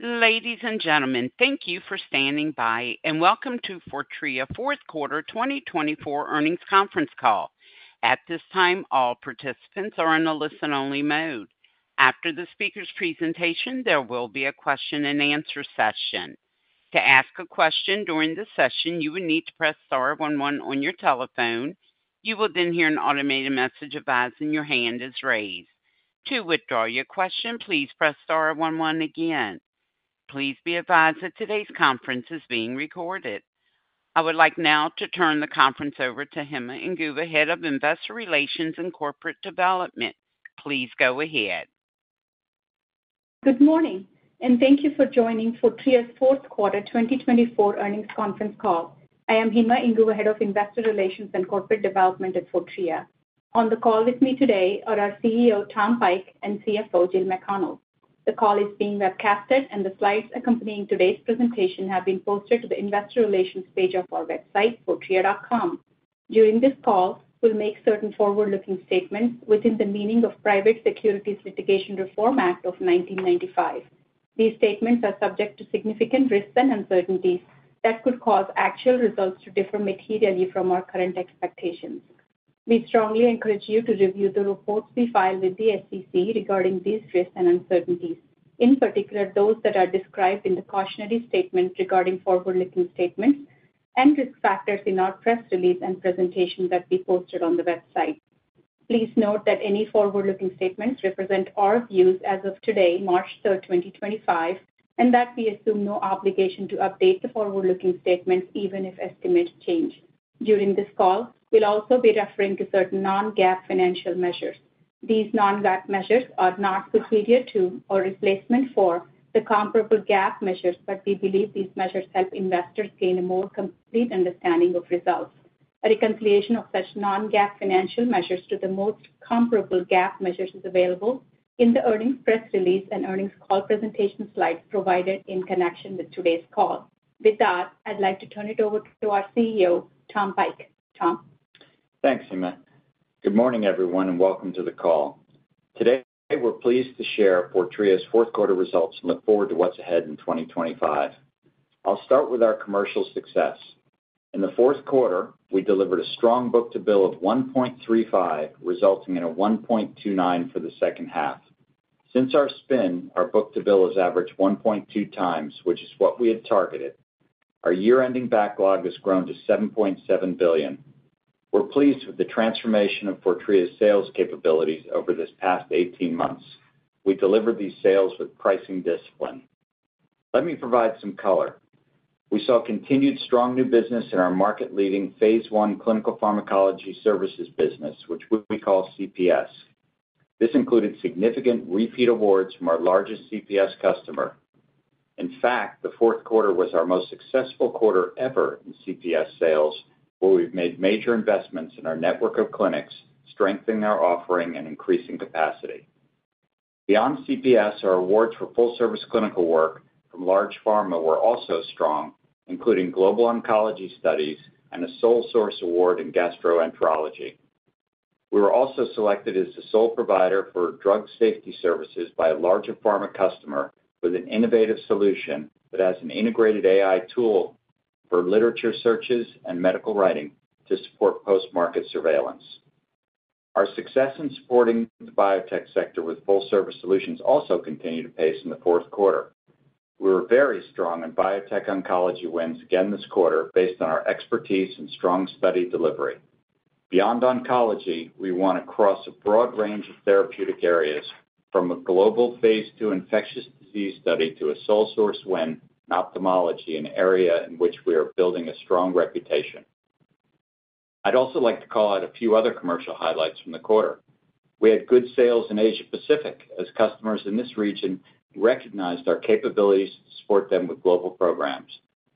Ladies and gentlemen, thank you for standing by, and welcome to Fortrea fourth quarter 2024 earnings conference call. At this time, all participants are in a listen-only mode. After the speaker's presentation, there will be a question-and-answer session. To ask a question during the session, you will need to press star one one on your telephone. You will then hear an automated message advising your hand is raised. To withdraw your question, please press star one one again. Please be advised that today's conference is being recorded. I would like now to turn the conference over to Hima Inguva, Head of Investor Relations and Corporate Development. Please go ahead. Good morning, and thank you for joining Fortrea's fourth quarter 2024 earnings conference call. I am Hima Inguva, Head of Investor Relations and Corporate Development at Fortrea. On the call with me today are our CEO, Tom Pike, and CFO, Jill McConnell. The call is being webcast, and the slides accompanying today's presentation have been posted to the Investor Relations page of our website, fortrea.com. During this call, we'll make certain forward-looking statements within the meaning of the Private Securities Litigation Reform Act of 1995. These statements are subject to significant risks and uncertainties that could cause actual results to differ materially from our current expectations. We strongly encourage you to review the reports we file with the SEC regarding these risks and uncertainties, in particular those that are described in the cautionary statement regarding forward-looking statements and risk factors in our press release and presentation that we posted on the website. Please note that any forward-looking statements represent our views as of today, March 3rd, 2025, and that we assume no obligation to update the forward-looking statements even if estimates change. During this call, we'll also be referring to certain non-GAAP financial measures. These non-GAAP measures are not superior to or replacement for the comparable GAAP measures, but we believe these measures help investors gain a more complete understanding of results. A reconciliation of such non-GAAP financial measures to the most comparable GAAP measures is available in the earnings press release and earnings call presentation slides provided in connection with today's call. With that, I'd like to turn it over to our CEO, Tom Pike. Tom. Thanks, Hima. Good morning, everyone, and welcome to the call. Today, we're pleased to share Fortrea's fourth quarter results and look forward to what's ahead in 2025. I'll start with our commercial success. In the fourth quarter, we delivered a strong book-to-bill of 1.35, resulting in a 1.29 for the second half. Since our spin, our book-to-bill has averaged 1.2 times, which is what we had targeted. Our year-ending backlog has grown to $7.7 billion. We're pleased with the transformation of Fortrea's sales capabilities over this past 18 months. We delivered these sales with pricing discipline. Let me provide some color. We saw continued strong new business in our market-leading phase one Clinical Pharmacology Services business, which we call CPS. This included significant repeat awards from our largest CPS customer. In fact, the fourth quarter was our most successful quarter ever in CPS sales, where we've made major investments in our network of clinics, strengthening our offering and increasing capacity. Beyond CPS, our awards for full-service clinical work from large pharma were also strong, including Global Oncology Studies and a Sole Source Award in Gastroenterology. We were also selected as the sole provider for drug safety services by a large pharma customer with an innovative solution that has an integrated AI tool for literature searches and medical writing to support post-market surveillance. Our success in supporting the biotech sector with full-service solutions also continued to pace in the fourth quarter. We were very strong in biotech oncology wins again this quarter based on our expertise and strong study delivery. Beyond oncology, we want to cross a broad range of therapeutic areas, from a global phase II infectious disease study to a sole-source win in ophthalmology, an area in which we are building a strong reputation. I'd also like to call out a few other commercial highlights from the quarter. We had good sales in Asia-Pacific as customers in this region recognized our capabilities to support them with global programs.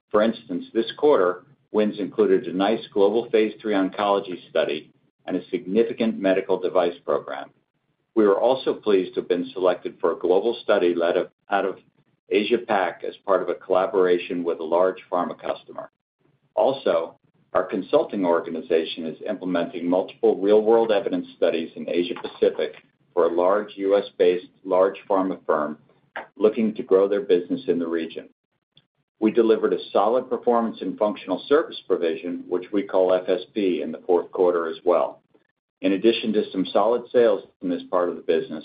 For instance, this quarter, wins included a nice global phase III oncology study and a significant medical device program. We were also pleased to have been selected for a global study led out of Asia-Pacific as part of a collaboration with a large pharma customer. Also, our consulting organization is implementing multiple real-world evidence studies in Asia-Pacific for a large U.S.-based large pharma firm looking to grow their business in the region. We delivered a solid performance in functional service provision, which we call FSP, in the fourth quarter as well. In addition to some solid sales in this part of the business,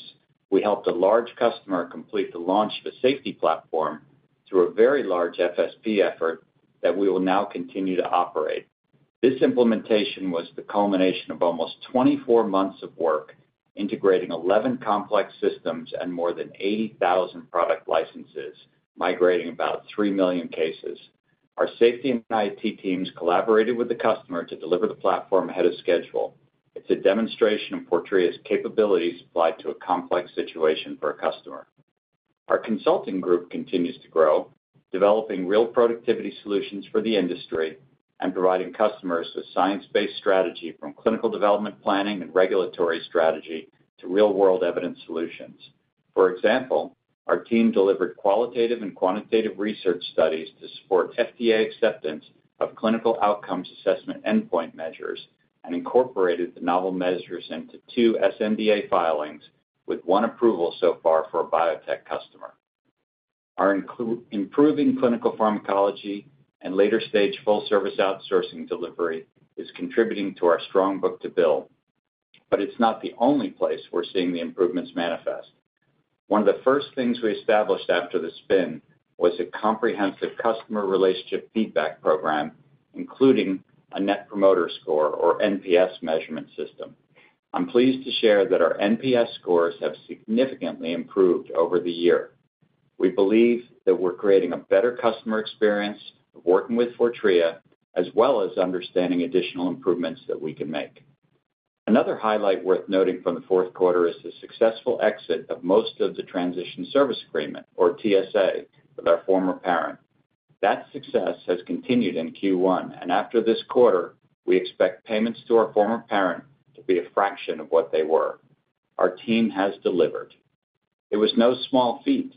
we helped a large customer complete the launch of a safety platform through a very large FSP effort that we will now continue to operate. This implementation was the culmination of almost 24 months of work, integrating 11 complex systems and more than 80,000 product licenses, migrating about 3 million cases. Our safety and IT teams collaborated with the customer to deliver the platform ahead of schedule. It's a demonstration of Fortrea's capabilities applied to a complex situation for a customer. Our consulting group continues to grow, developing real productivity solutions for the industry and providing customers with science-based strategy from clinical development planning and regulatory strategy to real-world evidence solutions. For example, our team delivered qualitative and quantitative research studies to support FDA acceptance of clinical outcomes assessment endpoint measures and incorporated the novel measures into two SMDA filings with one approval so far for a biotech customer. Our improving clinical pharmacology and later-stage full-service outsourcing delivery is contributing to our strong book-to-bill. It is not the only place we are seeing the improvements manifest. One of the first things we established after the spin was a comprehensive customer relationship feedback program, including a Net Promoter Score, or NPS, measurement system. I am pleased to share that our NPS scores have significantly improved over the year. We believe that we are creating a better customer experience of working with Fortrea, as well as understanding additional improvements that we can make. Another highlight worth noting from the fourth quarter is the successful exit of most of the Transition Service Agreement, or TSA, with our former parent. That success has continued in Q1, and after this quarter, we expect payments to our former parent to be a fraction of what they were. Our team has delivered. It was no small feat.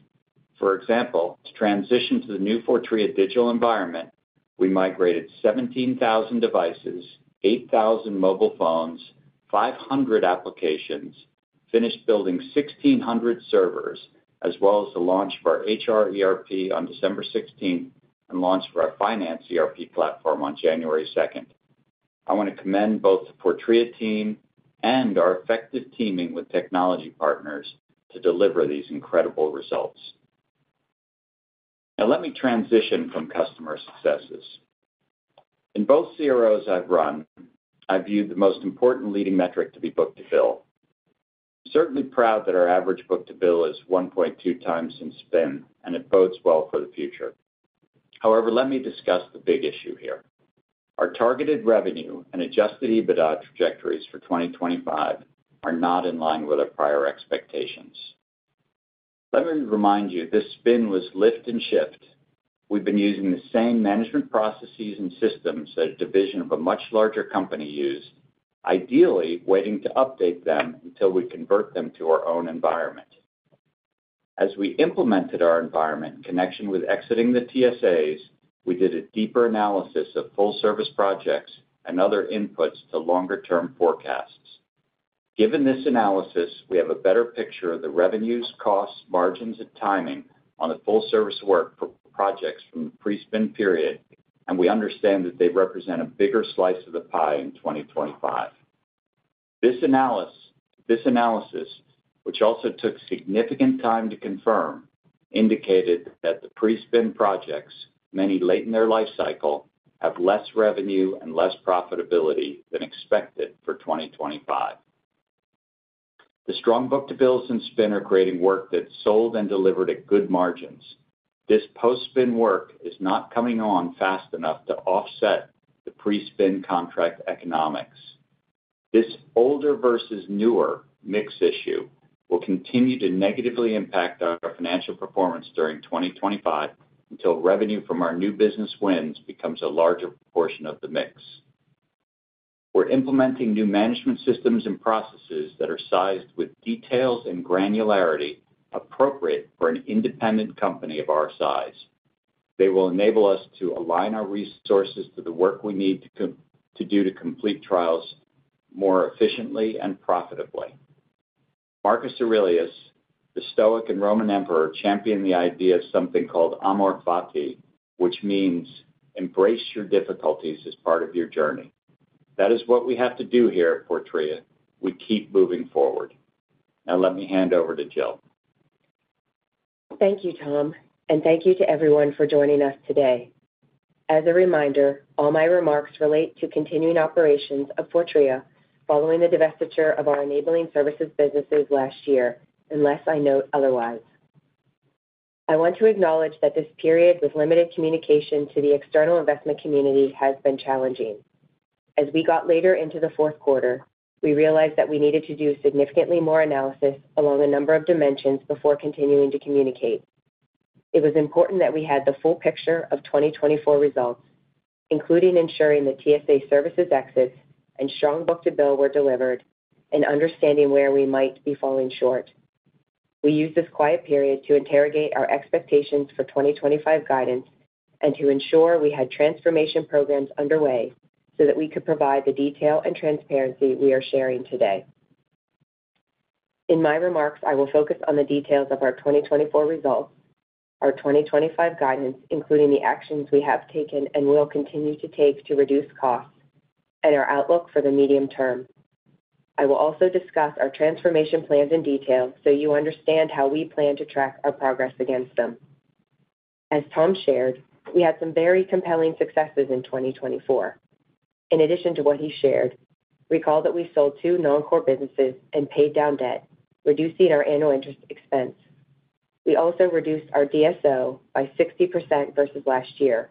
For example, to transition to the new Fortrea digital environment, we migrated 17,000 devices, 8,000 mobile phones, 500 applications, finished building 1,600 servers, as well as the launch of our HR ERP on December 16th and launched our Finance ERP platform on January 2nd. I want to commend both the Fortrea team and our effective teaming with technology partners to deliver these incredible results. Now, let me transition from customer successes. In both CROs I've run, I viewed the most important leading metric to be book-to-bill. I'm certainly proud that our average book-to-bill is 1.2x since spin, and it bodes well for the future. However, let me discuss the big issue here. Our targeted revenue and Adjusted EBITDA trajectories for 2025 are not in line with our prior expectations. Let me remind you, this spin was lift and shift. We've been using the same management processes and systems that a division of a much larger company used, ideally waiting to update them until we convert them to our own environment. As we implemented our environment in connection with exiting the TSAs, we did a deeper analysis of full-service projects and other inputs to longer-term forecasts. Given this analysis, we have a better picture of the revenues, costs, margins, and timing on the full-service work for projects from the pre-spin period, and we understand that they represent a bigger slice of the pie in 2025. This analysis, which also took significant time to confirm, indicated that the pre-spin projects, many late in their life cycle, have less revenue and less profitability than expected for 2025. The strong book-to-bills and spin are creating work that's sold and delivered at good margins. This post-spin work is not coming on fast enough to offset the pre-spin contract economics. This older versus newer mix issue will continue to negatively impact our financial performance during 2025 until revenue from our new business wins becomes a larger portion of the mix. We're implementing new management systems and processes that are sized with details and granularity appropriate for an independent company of our size. They will enable us to align our resources to the work we need to do to complete trials more efficiently and profitably. Marcus Aurelius, the Stoic and Roman emperor, championed the idea of something called Amor Fati, which means embrace your difficulties as part of your journey. That is what we have to do here at Fortrea. We keep moving forward. Now, let me hand over to Jill. Thank you, Tom, and thank you to everyone for joining us today. As a reminder, all my remarks relate to continuing operations of Fortrea following the divestiture of our enabling services businesses last year, unless I note otherwise. I want to acknowledge that this period with limited communication to the external investment community has been challenging. As we got later into the fourth quarter, we realized that we needed to do significantly more analysis along a number of dimensions before continuing to communicate. It was important that we had the full picture of 2024 results, including ensuring that TSA services exits and strong book-to-bill were delivered and understanding where we might be falling short. We used this quiet period to interrogate our expectations for 2025 guidance and to ensure we had transformation programs underway so that we could provide the detail and transparency we are sharing today. In my remarks, I will focus on the details of our 2024 results, our 2025 guidance, including the actions we have taken and will continue to take to reduce costs, and our outlook for the medium term. I will also discuss our transformation plans in detail so you understand how we plan to track our progress against them. As Tom shared, we had some very compelling successes in 2024. In addition to what he shared, recall that we sold two non-core businesses and paid down debt, reducing our annual interest expense. We also reduced our DSO by 60% versus last year.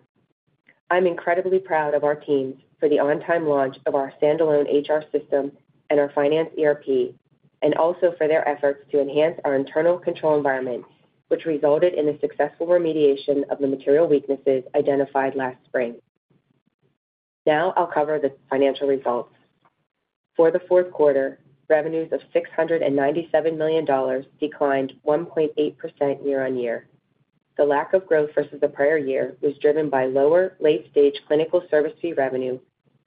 I'm incredibly proud of our teams for the on-time launch of our standalone HR system and our Finance ERP, and also for their efforts to enhance our internal control environment, which resulted in the successful remediation of the material weaknesses identified last spring. Now, I'll cover the financial results. For the fourth quarter, revenues of $697 million declined 1.8% year-on-year. The lack of growth versus the prior year was driven by lower late-stage clinical service fee revenue,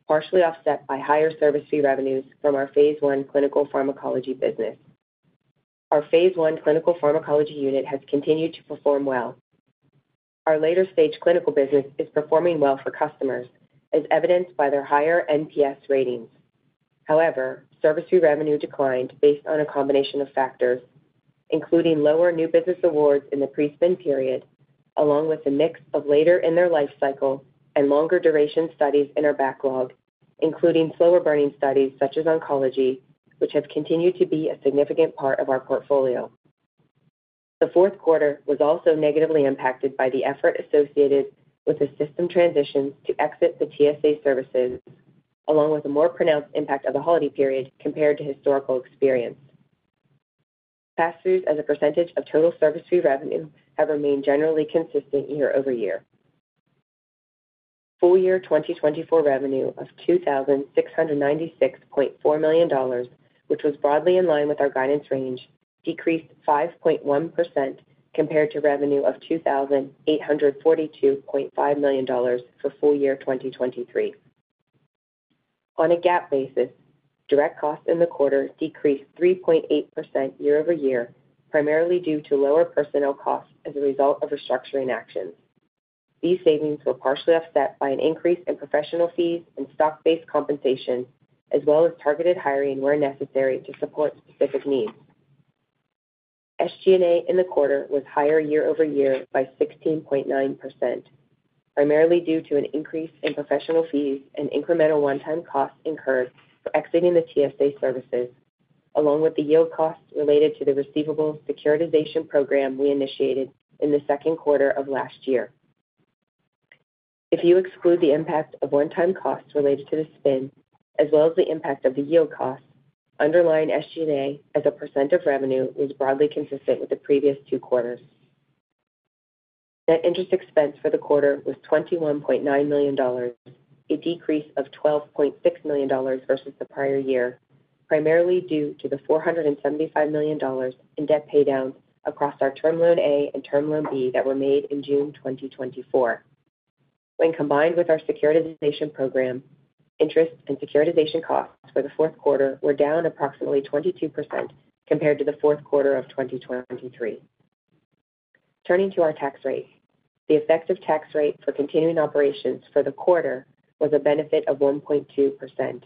partially offset by higher service fee revenues from our phase I clinical pharmacology business. Our phase I clinical pharmacology unit has continued to perform well. Our later-stage clinical business is performing well for customers, as evidenced by their higher NPS ratings. However, service fee revenue declined based on a combination of factors, including lower new business awards in the pre-spin period, along with a mix of later in their life cycle and longer duration studies in our backlog, including slower-burning studies such as oncology, which have continued to be a significant part of our portfolio. The fourth quarter was also negatively impacted by the effort associated with the system transitions to exit the TSA services, along with a more pronounced impact of the holiday period compared to historical experience. Pass-throughs as a percentage of total service fee revenue have remained generally consistent year-over-year. Full year 2024 revenue of $2,696.4 million, which was broadly in line with our guidance range, decreased 5.1% compared to revenue of $2,842.5 million for full year 2023. On a GAAP basis, direct costs in the quarter decreased 3.8% year-over-year, primarily due to lower personnel costs as a result of restructuring actions. These savings were partially offset by an increase in professional fees and stock-based compensation, as well as targeted hiring where necessary to support specific needs. SG&A in the quarter was higher year-over-year by 16.9%, primarily due to an increase in professional fees and incremental one-time costs incurred for exiting the TSA services, along with the yield costs related to the receivable securitization program we initiated in the second quarter of last year. If you exclude the impact of one-time costs related to the spin, as well as the impact of the yield costs, underlying SG&A as a percent of revenue was broadly consistent with the previous two quarters. Net interest expense for the quarter was $21.9 million, a decrease of $12.6 million versus the prior year, primarily due to the $475 million in debt paydowns across our Term Loan A and Term Loan B that were made in June 2024. When combined with our securitization program, interest and securitization costs for the fourth quarter were down approximately 22% compared to the fourth quarter of 2023. Turning to our tax rate, the effective tax rate for continuing operations for the quarter was a benefit of 1.2%.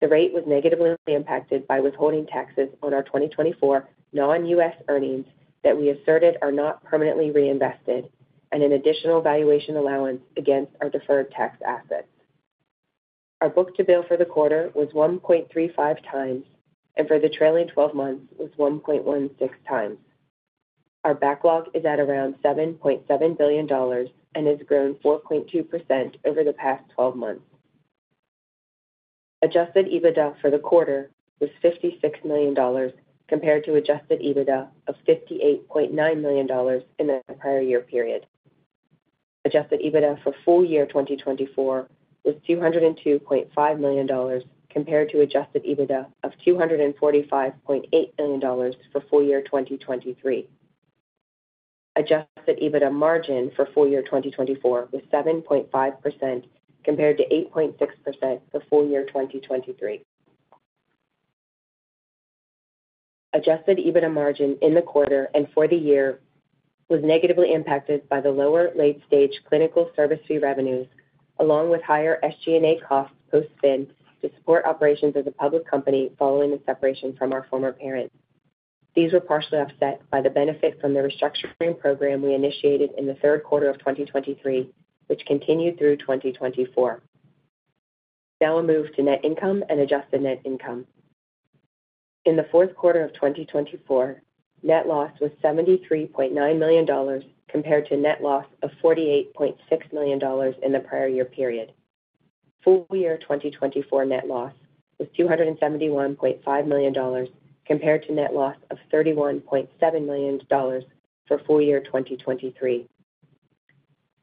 The rate was negatively impacted by withholding taxes on our 2024 non-U.S. earnings that we asserted are not permanently reinvested and an additional valuation allowance against our deferred tax assets. Our book-to-bill for the quarter was 1.35x, and for the trailing 12 months was 1.16x. Our backlog is at around $7.7 billion and has grown 4.2% over the past 12 months. Adjusted EBITDA for the quarter was $56 million compared to Adjusted EBITDA of $58.9 million in the prior year period. Adjusted EBITDA for full year 2024 was $202.5 million compared to Adjusted EBITDA of $245.8 million for full year 2023. Adjusted EBITDA margin for full year 2024 was 7.5% compared to 8.6% for full year 2023. Adjusted EBITDA margin in the quarter and for the year was negatively impacted by the lower late-stage clinical service fee revenues, along with higher SG&A costs post-spin to support operations as a public company following the separation from our former parent. These were partially offset by the benefit from the restructuring program we initiated in the third quarter of 2023, which continued through 2024. Now, we'll move to net income and adjusted net income. In the fourth quarter of 2024, net loss was $73.9 million compared to net loss of $48.6 million in the prior year period. Full year 2024 net loss was $271.5 million compared to net loss of $31.7 million for full year 2023.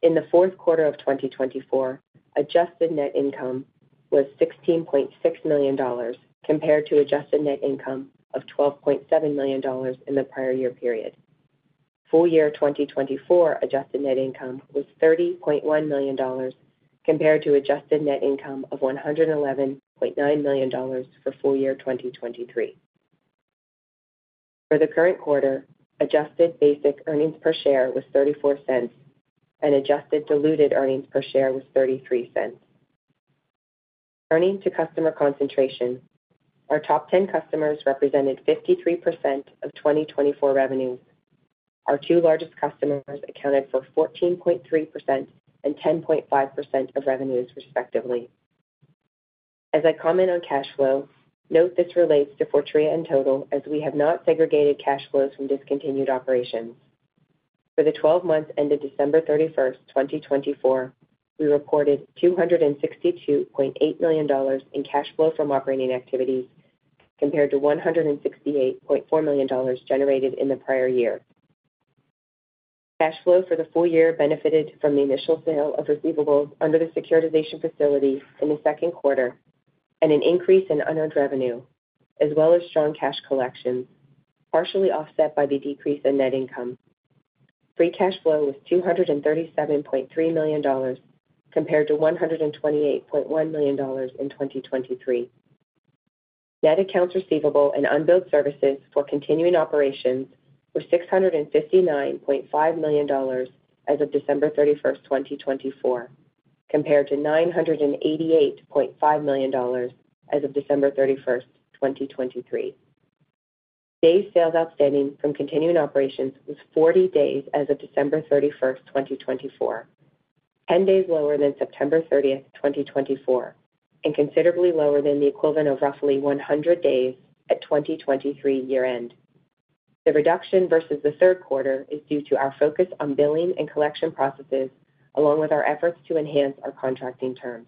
In the fourth quarter of 2024, adjusted net income was $16.6 million compared to adjusted net income of $12.7 million in the prior year period. Full year 2024 adjusted net income was $30.1 million compared to adjusted net income of $111.9 million for full year 2023. For the current quarter, adjusted basic earnings per share was $0.34, and adjusted diluted earnings per share was $0.33. Turning to customer concentration, our top 10 customers represented 53% of 2024 revenues. Our two largest customers accounted for 14.3% and 10.5% of revenues, respectively. As I comment on cash flow, note this relates to Fortrea in total, as we have not segregated cash flows from discontinued operations. For the 12 months ended December 31st, 2024, we reported $262.8 million in cash flow from operating activities compared to $168.4 million generated in the prior year. Cash flow for the full year benefited from the initial sale of receivables under the securitization facility in the second quarter and an increase in unearned revenue, as well as strong cash collections, partially offset by the decrease in net income. Free cash flow was $237.3 million compared to $128.1 million in 2023. Net accounts receivable and unbilled services for continuing operations were $659.5 million as of December 31, 2024, compared to $988.5 million as of December 31st, 2023. Days sales outstanding from continuing operations was 40 days as of December 31, 2024, 10 days lower than September 30th, 2024, and considerably lower than the equivalent of roughly 100 days at 2023 year-end. The reduction versus the third quarter is due to our focus on billing and collection processes, along with our efforts to enhance our contracting terms.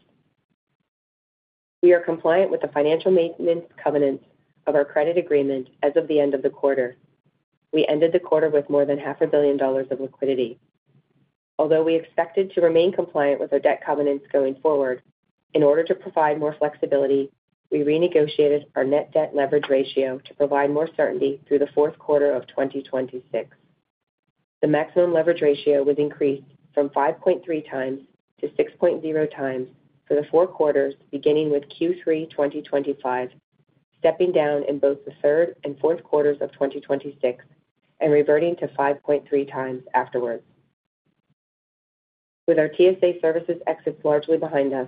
We are compliant with the financial maintenance covenants of our credit agreement as of the end of the quarter. We ended the quarter with more than $500,000,000 of liquidity. Although we expect to remain compliant with our debt covenants going forward, in order to provide more flexibility, we renegotiated our net debt leverage ratio to provide more certainty through the fourth quarter of 2026. The maximum leverage ratio was increased from 5.3x to 6.0x for the four quarters beginning with Q3 2025, stepping down in both the third and fourth quarters of 2026, and reverting to 5.3x afterwards. With our TSA services exits largely behind us,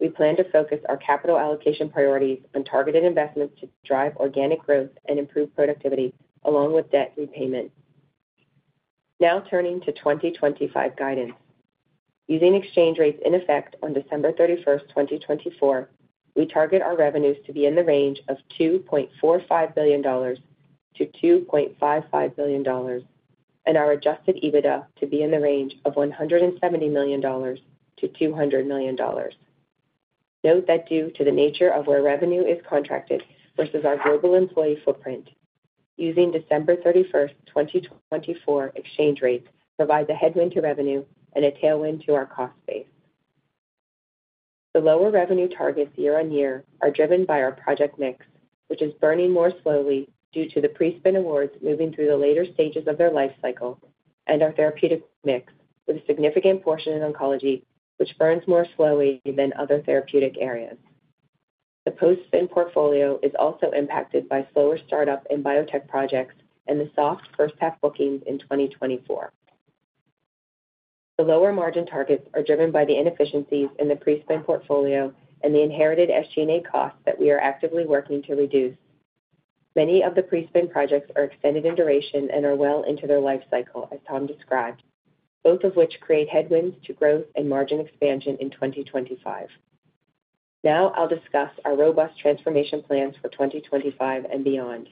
we plan to focus our capital allocation priorities on targeted investments to drive organic growth and improve productivity, along with debt repayment. Now, turning to 2025 guidance. Using exchange rates in effect on December 31st, 2024, we target our revenues to be in the range of $2.45 billion-$2.55 billion, and our Adjusted EBITDA to be in the range of $170 million-$200 million. Note that due to the nature of where revenue is contracted versus our global employee footprint, using December 31st, 2024 exchange rates provides a headwind to revenue and a tailwind to our cost base. The lower revenue targets year-on-year are driven by our project mix, which is burning more slowly due to the pre-spin awards moving through the later stages of their life cycle, and our therapeutic mix with a significant portion in oncology, which burns more slowly than other therapeutic areas. The post-spin portfolio is also impacted by slower startup and biotech projects and the soft first-half bookings in 2024. The lower margin targets are driven by the inefficiencies in the pre-spin portfolio and the inherited SG&A costs that we are actively working to reduce. Many of the pre-spin projects are extended in duration and are well into their life cycle, as Tom described, both of which create headwinds to growth and margin expansion in 2025. Now, I'll discuss our robust transformation plans for 2025 and beyond.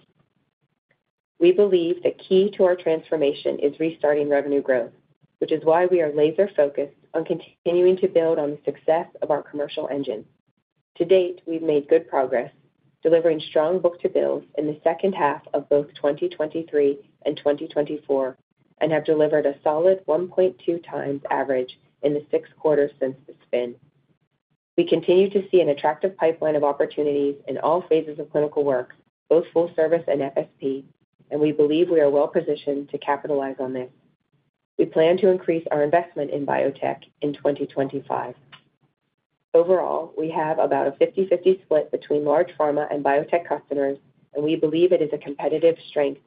We believe the key to our transformation is restarting revenue growth, which is why we are laser-focused on continuing to build on the success of our commercial engine. To date, we've made good progress delivering strong book-to-bills in the second half of both 2023 and 2024 and have delivered a solid 1.2x average in the six quarters since the spin. We continue to see an attractive pipeline of opportunities in all phases of clinical work, both full service and FSP, and we believe we are well-positioned to capitalize on this. We plan to increase our investment in biotech in 2025. Overall, we have about a 50/50 split between large pharma and biotech customers, and we believe it is a competitive strength.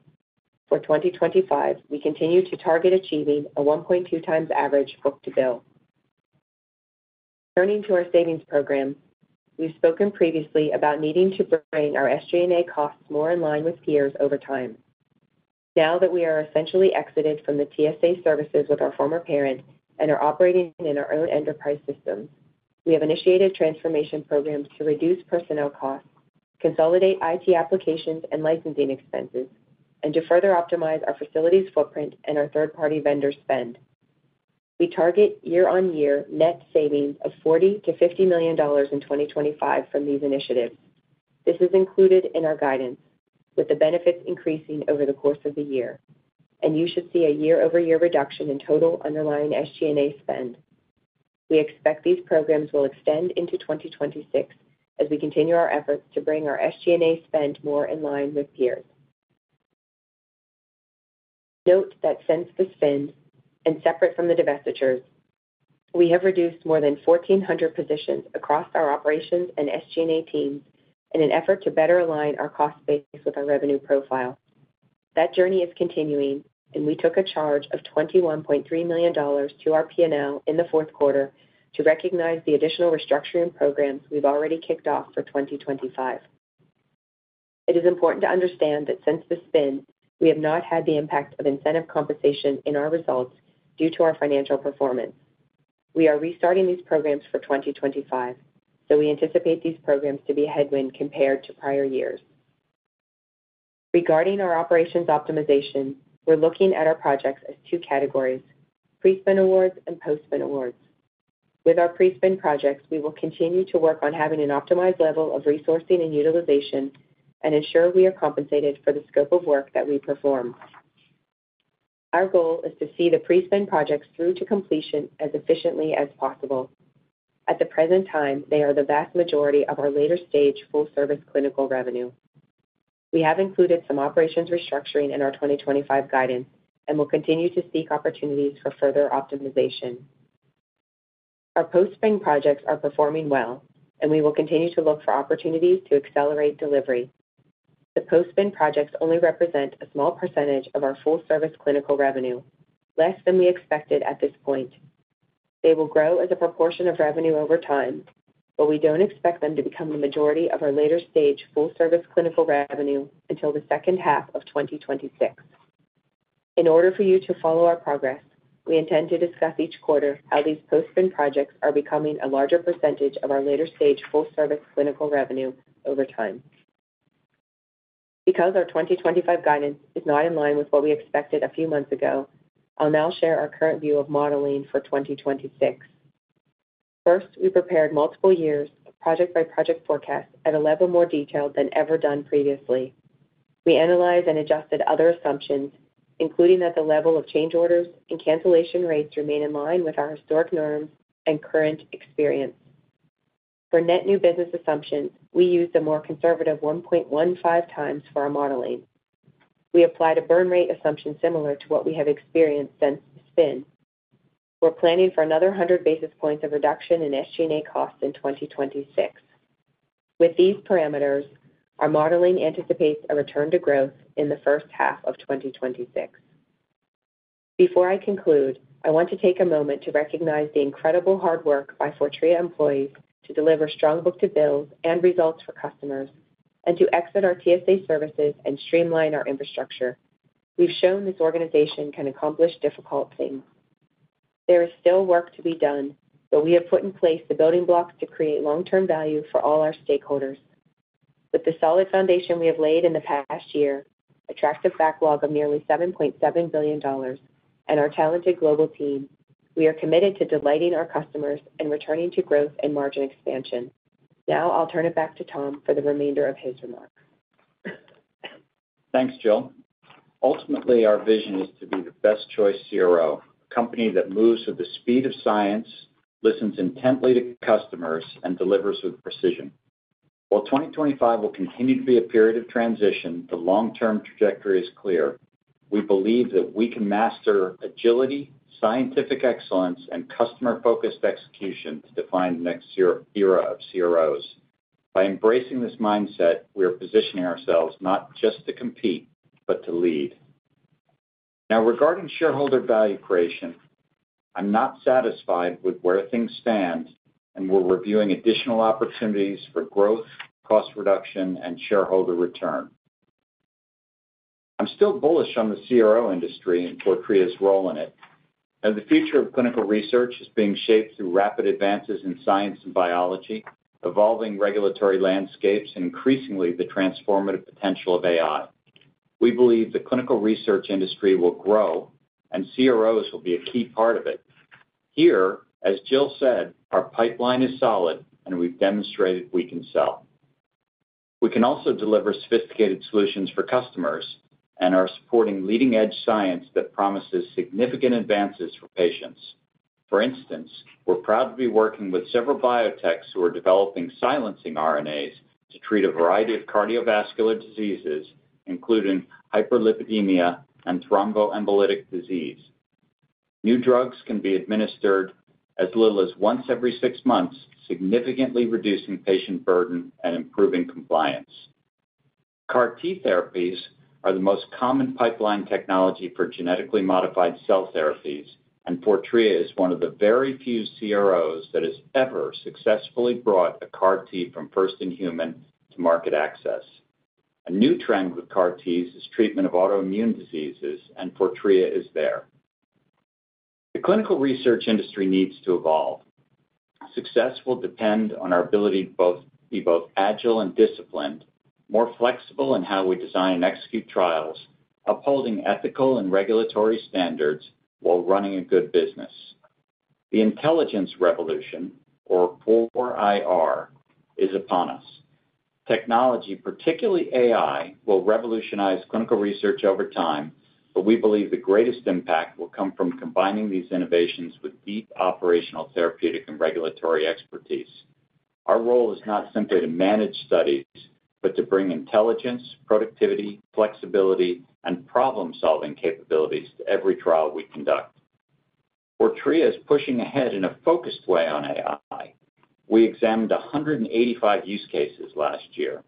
For 2025, we continue to target achieving a 1.2x average book-to-bill. Turning to our savings program, we've spoken previously about needing to bring our SG&A costs more in line with peers over time. Now that we are essentially exited from the TSA services with our former parent and are operating in our own enterprise systems, we have initiated transformation programs to reduce personnel costs, consolidate IT applications and licensing expenses, and to further optimize our facilities footprint and our third-party vendor spend. We target year-on-year net savings of $40-$50 million in 2025 from these initiatives. This is included in our guidance, with the benefits increasing over the course of the year, and you should see a year-over-year reduction in total underlying SG&A spend. We expect these programs will extend into 2026 as we continue our efforts to bring our SG&A spend more in line with peers. Note that since the spin and separate from the divestitures, we have reduced more than 1,400 positions across our operations and SG&A teams in an effort to better align our cost base with our revenue profile. That journey is continuing, and we took a charge of $21.3 million to our P&L in the fourth quarter to recognize the additional restructuring programs we've already kicked off for 2025. It is important to understand that since the spin, we have not had the impact of incentive compensation in our results due to our financial performance. We are restarting these programs for 2025, so we anticipate these programs to be a headwind compared to prior years. Regarding our operations optimization, we're looking at our projects as two categories: pre-spin awards and post-spin awards. With our pre-spin projects, we will continue to work on having an optimized level of resourcing and utilization and ensure we are compensated for the scope of work that we perform. Our goal is to see the pre-spin projects through to completion as efficiently as possible. At the present time, they are the vast majority of our later-stage full-service clinical revenue. We have included some operations restructuring in our 2025 guidance and will continue to seek opportunities for further optimization. Our post-spin projects are performing well, and we will continue to look for opportunities to accelerate delivery. The post-spin projects only represent a small percentage of our full-service clinical revenue, less than we expected at this point. They will grow as a proportion of revenue over time, but we don't expect them to become the majority of our later-stage full-service clinical revenue until the second half of 2026. In order for you to follow our progress, we intend to discuss each quarter how these post-spin projects are becoming a larger percentage of our later-stage full-service clinical revenue over time. Because our 2025 guidance is not in line with what we expected a few months ago, I'll now share our current view of modeling for 2026. First, we prepared multiple years of project-by-project forecasts at a level more detailed than ever done previously. We analyzed and adjusted other assumptions, including that the level of change orders and cancellation rates remain in line with our historic norms and current experience. For net new business assumptions, we used a more conservative 1.15x for our modeling. We applied a burn rate assumption similar to what we have experienced since the spin. We're planning for another 100 basis points of reduction in SG&A costs in 2026. With these parameters, our modeling anticipates a return to growth in the first half of 2026. Before I conclude, I want to take a moment to recognize the incredible hard work by Fortrea employees to deliver strong book-to-bills and results for customers and to exit our TSA services and streamline our infrastructure. We've shown this organization can accomplish difficult things. There is still work to be done, but we have put in place the building blocks to create long-term value for all our stakeholders. With the solid foundation we have laid in the past year, attractive backlog of nearly $7.7 billion, and our talented global team, we are committed to delighting our customers and returning to growth and margin expansion. Now, I'll turn it back to Tom for the remainder of his remarks. Thanks, Jill. Ultimately, our vision is to be the best choice CRO, a company that moves with the speed of science, listens intently to customers, and delivers with precision. While 2025 will continue to be a period of transition, the long-term trajectory is clear. We believe that we can master agility, scientific excellence, and customer-focused execution to define the next era of CROs. By embracing this mindset, we are positioning ourselves not just to compete, but to lead. Now, regarding shareholder value creation, I'm not satisfied with where things stand, and we're reviewing additional opportunities for growth, cost reduction, and shareholder return. I'm still bullish on the CRO industry and Fortrea's role in it. The future of clinical research is being shaped through rapid advances in science and biology, evolving regulatory landscapes, and increasingly the transformative potential of AI. We believe the clinical research industry will grow, and CROs will be a key part of it. Here, as Jill said, our pipeline is solid, and we've demonstrated we can sell. We can also deliver sophisticated solutions for customers and are supporting leading-edge science that promises significant advances for patients. For instance, we're proud to be working with several biotechs who are developing silencing RNAs to treat a variety of cardiovascular diseases, including hyperlipidemia and thromboembolic disease. New drugs can be administered as little as once every six months, significantly reducing patient burden and improving compliance. CAR-T therapies are the most common pipeline technology for genetically modified cell therapies, and Fortrea is one of the very few CROs that has ever successfully brought a CAR-T from first in human to market access. A new trend with CAR-Ts is treatment of autoimmune diseases, and Fortrea is there. The clinical research industry needs to evolve. Success will depend on our ability to be both agile and disciplined, more flexible in how we design and execute trials, upholding ethical and regulatory standards while running a good business. The intelligence revolution, or 4IR, is upon us. Technology, particularly AI, will revolutionize clinical research over time, but we believe the greatest impact will come from combining these innovations with deep operational, therapeutic, and regulatory expertise. Our role is not simply to manage studies, but to bring intelligence, productivity, flexibility, and problem-solving capabilities to every trial we conduct. Fortrea is pushing ahead in a focused way on AI. We examined 185 use cases last year.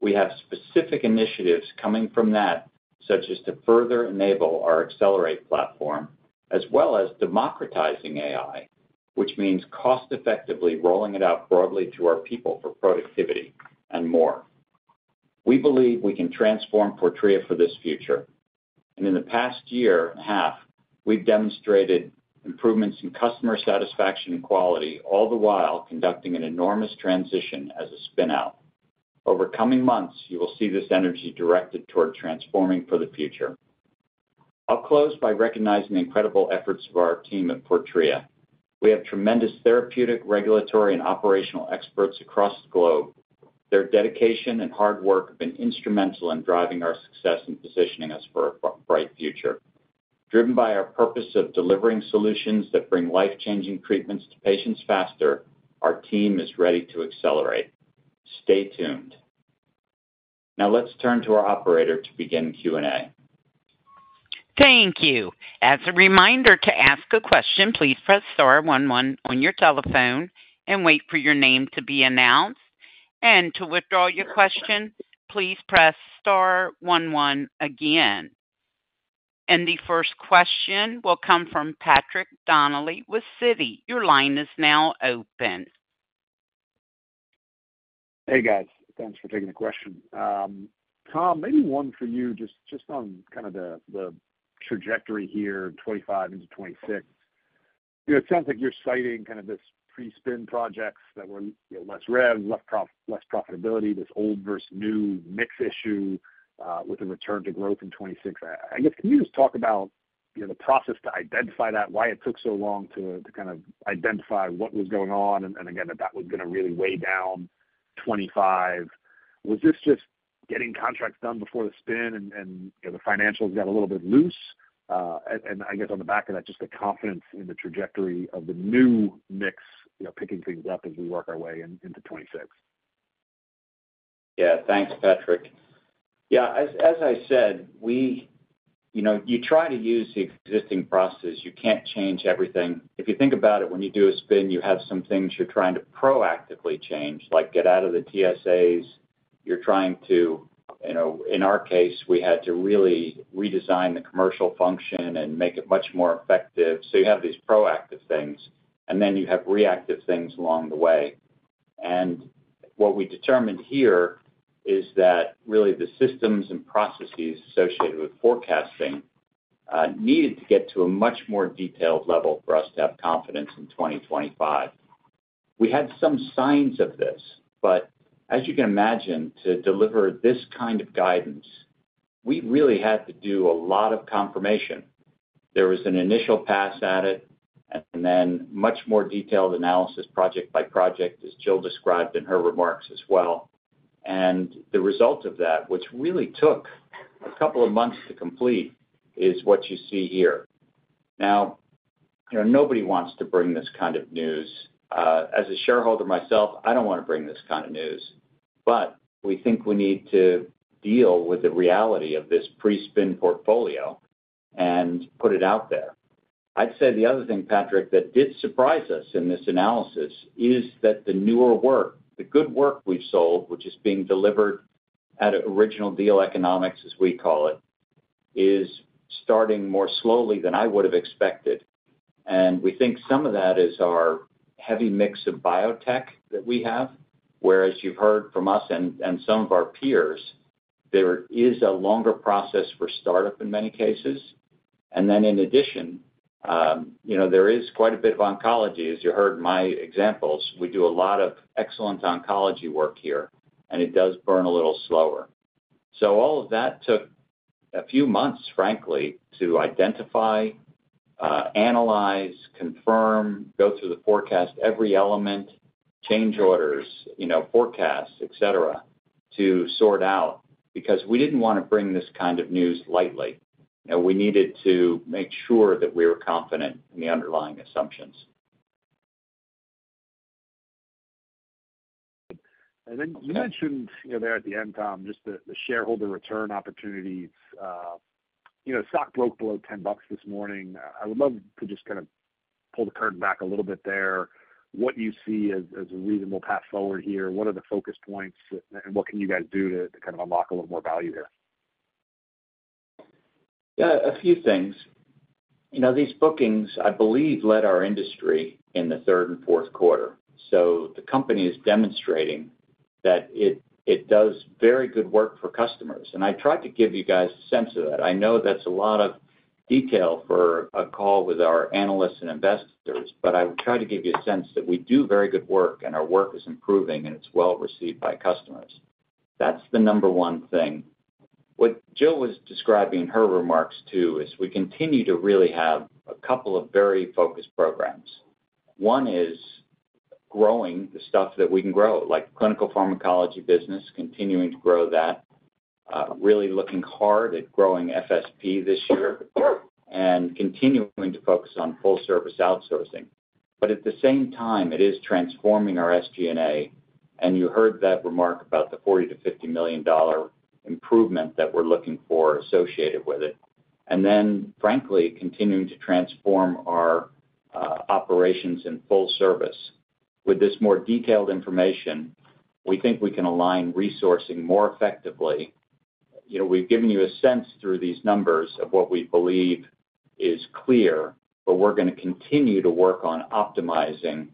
We have specific initiatives coming from that, such as to further enable our Accelerate platform, as well as democratizing AI, which means cost-effectively rolling it out broadly to our people for productivity and more. We believe we can transform Fortrea for this future. In the past year and a half, we've demonstrated improvements in customer satisfaction and quality, all the while conducting an enormous transition as a spin-out. Over coming months, you will see this energy directed toward transforming for the future. I'll close by recognizing the incredible efforts of our team at Fortrea. We have tremendous therapeutic, regulatory, and operational experts across the globe. Their dedication and hard work have been instrumental in driving our success and positioning us for a bright future. Driven by our purpose of delivering solutions that bring life-changing treatments to patients faster, our team is ready to accelerate. Stay tuned. Now, let's turn to our operator to begin Q&A. Thank you. As a reminder to ask a question, please press star one one on your telephone and wait for your name to be announced. To withdraw your question, please press star one one again. The first question will come from Patrick Donnelly with Citi. Your line is now open. Hey, guys. Thanks for taking the question. Tom, maybe one for you, just on kind of the trajectory here, 25 into 26. It sounds like you're citing kind of these pre-spin projects that were less rev, less profitability, this old versus new mix issue with a return to growth in 2026. I guess, can you just talk about the process to identify that, why it took so long to kind of identify what was going on, and again, that that was going to really weigh down 2025? Was this just getting contracts done before the spin, and the financials got a little bit loose? I guess on the back of that, just the confidence in the trajectory of the new mix, picking things up as we work our way into 2026? Yeah, thanks, Patrick. Yeah, as I said, you try to use the existing processes. You can't change everything. If you think about it, when you do a spin, you have some things you're trying to proactively change, like get out of the TSAs. You're trying to, in our case, we had to really redesign the commercial function and make it much more effective. You have these proactive things, and then you have reactive things along the way. What we determined here is that really the systems and processes associated with forecasting needed to get to a much more detailed level for us to have confidence in 2025. We had some signs of this, but as you can imagine, to deliver this kind of guidance, we really had to do a lot of confirmation. There was an initial pass at it, and then much more detailed analysis project by project, as Jill described in her remarks as well. The result of that, which really took a couple of months to complete, is what you see here. Nobody wants to bring this kind of news. As a shareholder myself, I don't want to bring this kind of news, but we think we need to deal with the reality of this pre-spin portfolio and put it out there. I'd say the other thing, Patrick, that did surprise us in this analysis is that the newer work, the good work we've sold, which is being delivered at original deal economics, as we call it, is starting more slowly than I would have expected. We think some of that is our heavy mix of biotech that we have. Whereas you've heard from us and some of our peers, there is a longer process for startup in many cases. In addition, there is quite a bit of oncology. As you heard my examples, we do a lot of excellent oncology work here, and it does burn a little slower. All of that took a few months, frankly, to identify, analyze, confirm, go through the forecast, every element, change orders, forecasts, etc., to sort out because we did not want to bring this kind of news lightly. We needed to make sure that we were confident in the underlying assumptions. You mentioned there at the end, Tom, just the shareholder return opportunities. Stock broke below $10 this morning. I would love to just kind of pull the curtain back a little bit there. What do you see as a reasonable path forward here? What are the focus points, and what can you guys do to kind of unlock a little more value here? Yeah, a few things. These bookings, I believe, led our industry in the third and fourth quarter. The company is demonstrating that it does very good work for customers. I tried to give you guys a sense of that. I know that's a lot of detail for a call with our analysts and investors, but I would try to give you a sense that we do very good work, and our work is improving, and it's well received by customers. That's the number one thing. What Jill was describing in her remarks too is we continue to really have a couple of very focused programs. One is growing the stuff that we can grow, like clinical pharmacology business, continuing to grow that, really looking hard at growing FSP this year, and continuing to focus on full-service outsourcing. At the same time, it is transforming our SG&A, and you heard that remark about the $40 million-$50 million improvement that we're looking for associated with it. Frankly, continuing to transform our operations in full service. With this more detailed information, we think we can align resourcing more effectively. We've given you a sense through these numbers of what we believe is clear, but we're going to continue to work on optimizing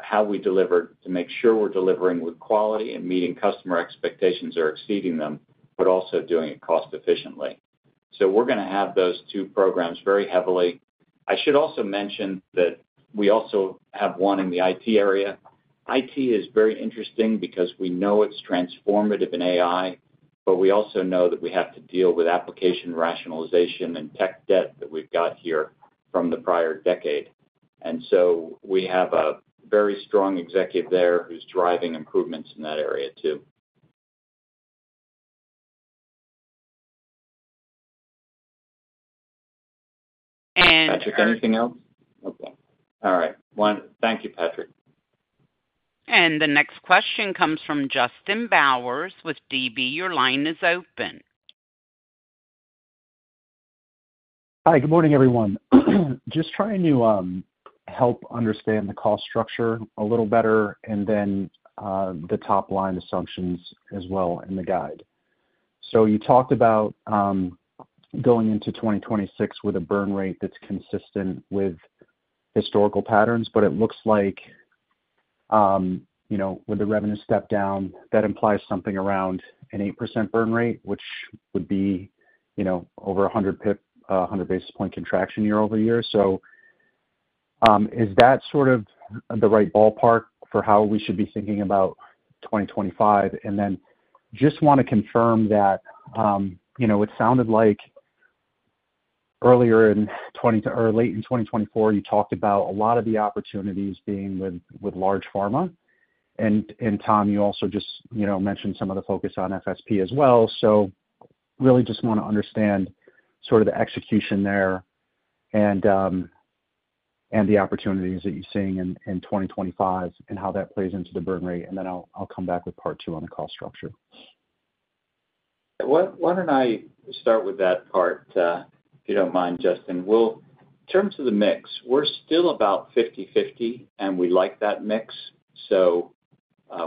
how we deliver to make sure we're delivering with quality and meeting customer expectations or exceeding them, but also doing it cost-efficiently. We're going to have those two programs very heavily. I should also mention that we also have one in the IT area. It is very interesting because we know it's transformative in AI, but we also know that we have to deal with application rationalization and tech debt that we've got here from the prior decade. We have a very strong executive there who's driving improvements in that area too. Patrick, anything else? Okay. All right. Thank you, Patrick. The next question comes from Justin Bowers with DB. Your line is open. Hi, good morning, everyone. Just trying to help understand the cost structure a little better and then the top line assumptions as well in the guide. You talked about going into 2026 with a burn rate that's consistent with historical patterns, but it looks like with the revenue step down, that implies something around an 8% burn rate, which would be over 100 basis point contraction year-over-year. Is that sort of the right ballpark for how we should be thinking about 2025? I just want to confirm that it sounded like earlier in late 2024, you talked about a lot of the opportunities being with large pharma. Tom, you also just mentioned some of the focus on FSP as well. I really just want to understand sort of the execution there and the opportunities that you're seeing in 2025 and how that plays into the burn rate. I'll come back with part two on the cost structure. Why don't I start with that part, if you don't mind, Justin? In terms of the mix, we're still about 50/50, and we like that mix.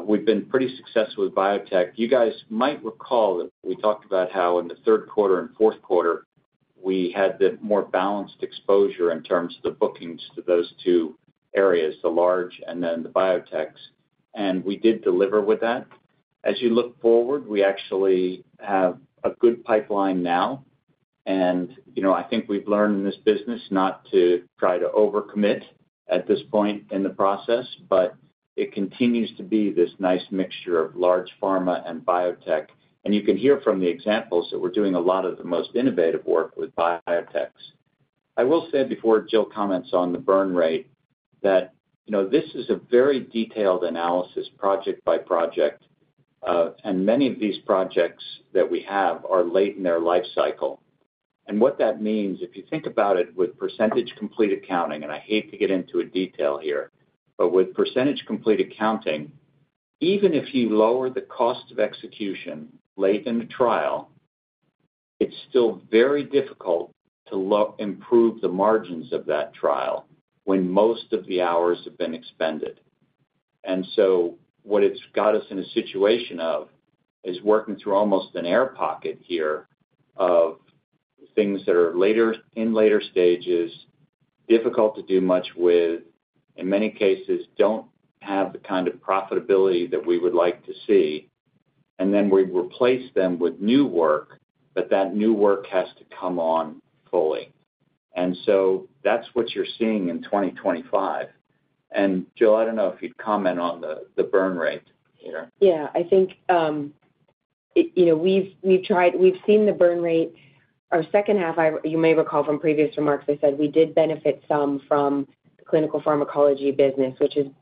We've been pretty successful with biotech. You guys might recall that we talked about how in the third quarter and fourth quarter, we had the more balanced exposure in terms of the bookings to those two areas, the large and then the biotechs. We did deliver with that. As you look forward, we actually have a good pipeline now. I think we've learned in this business not to try to overcommit at this point in the process, but it continues to be this nice mixture of large pharma and biotech. You can hear from the examples that we're doing a lot of the most innovative work with biotechs. I will say before Jill comments on the burn rate that this is a very detailed analysis project by project, and many of these projects that we have are late in their life cycle. What that means, if you think about it with percentage complete accounting, and I hate to get into a detail here, but with percentage complete accounting, even if you lower the cost of execution late in a trial, it's still very difficult to improve the margins of that trial when most of the hours have been expended. What it's got us in a situation of is working through almost an air pocket here of things that are in later stages, difficult to do much with, in many cases, do not have the kind of profitability that we would like to see. We replace them with new work, but that new work has to come on fully. That is what you're seeing in 2025. Jill, I do not know if you'd comment on the burn rate here. Yeah, I think we've seen the burn rate. Our second half, you may recall from previous remarks, I said we did benefit some from the clinical pharmacology business,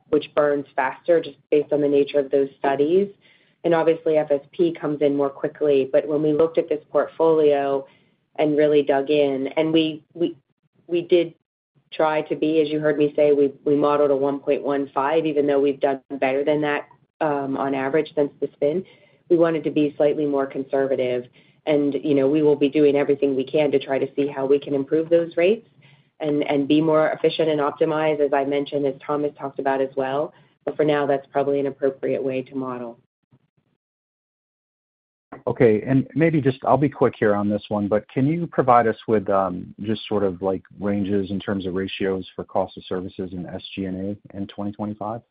which burns faster just based on the nature of those studies. Obviously, FSP comes in more quickly. When we looked at this portfolio and really dug in, and we did try to be, as you heard me say, we modeled a 1.15, even though we've done better than that on average since the spin. We wanted to be slightly more conservative. We will be doing everything we can to try to see how we can improve those rates and be more efficient and optimized, as I mentioned, as Thomas talked about as well. For now, that's probably an appropriate way to model. Okay. Maybe just I'll be quick here on this one, but can you provide us with just sort of ranges in terms of ratios for cost of services and SG&A in 2025?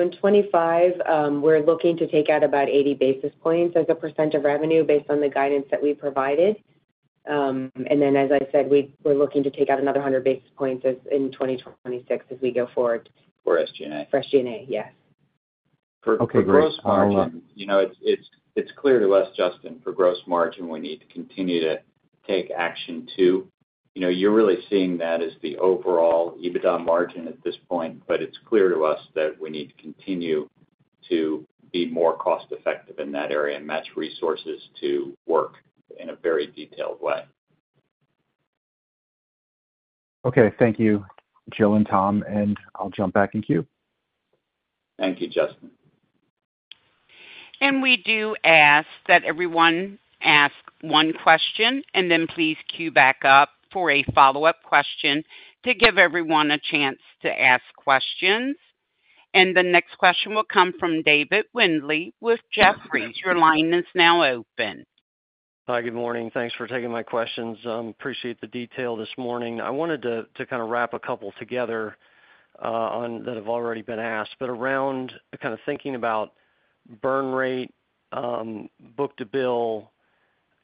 In 2025, we're looking to take out about 80 basis points as a percentage of revenue based on the guidance that we provided. As I said, we're looking to take out another 100 basis points in 2026 as we go forward. For SG&A. For SG&A, yes. For gross margin, it's clear to us, Justin, for gross margin, we need to continue to take action too. You're really seeing that as the overall EBITDA margin at this point, but it's clear to us that we need to continue to be more cost-effective in that area and match resources to work in a very detailed way. Okay. Thank you, Jill and Tom, and I'll jump back in queue. Thank you, Justin. We do ask that everyone ask one question, and then please queue back up for a follow-up question to give everyone a chance to ask questions. The next question will come from David Windley with Jefferies. Your line is now open. Hi, good morning. Thanks for taking my questions. Appreciate the detail this morning. I wanted to kind of wrap a couple together that have already been asked, but around kind of thinking about burn rate, book-to-bill,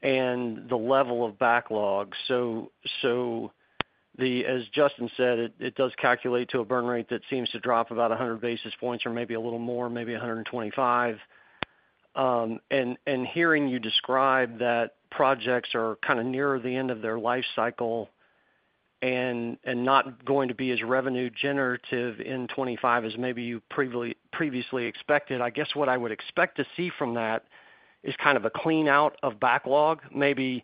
and the level of backlog. As Justin said, it does calculate to a burn rate that seems to drop about 100 basis points or maybe a little more, maybe 125. Hearing you describe that projects are kind of near the end of their life cycle and not going to be as revenue-generative in 2025 as maybe you previously expected, I guess what I would expect to see from that is kind of a clean out of backlog, maybe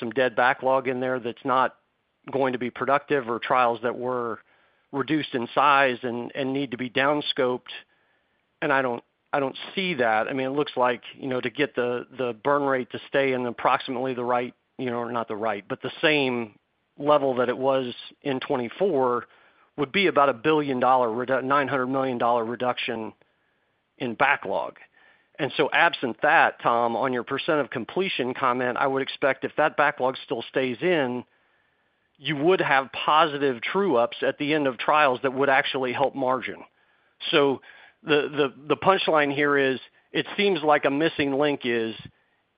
some dead backlog in there that's not going to be productive or trials that were reduced in size and need to be downscoped. I don't see that. I mean, it looks like to get the burn rate to stay in approximately the same level that it was in 2024 would be about a $900 million reduction in backlog. Absent that, Tom, on your percent of completion comment, I would expect if that backlog still stays in, you would have positive true-ups at the end of trials that would actually help margin. The punchline here is it seems like a missing link is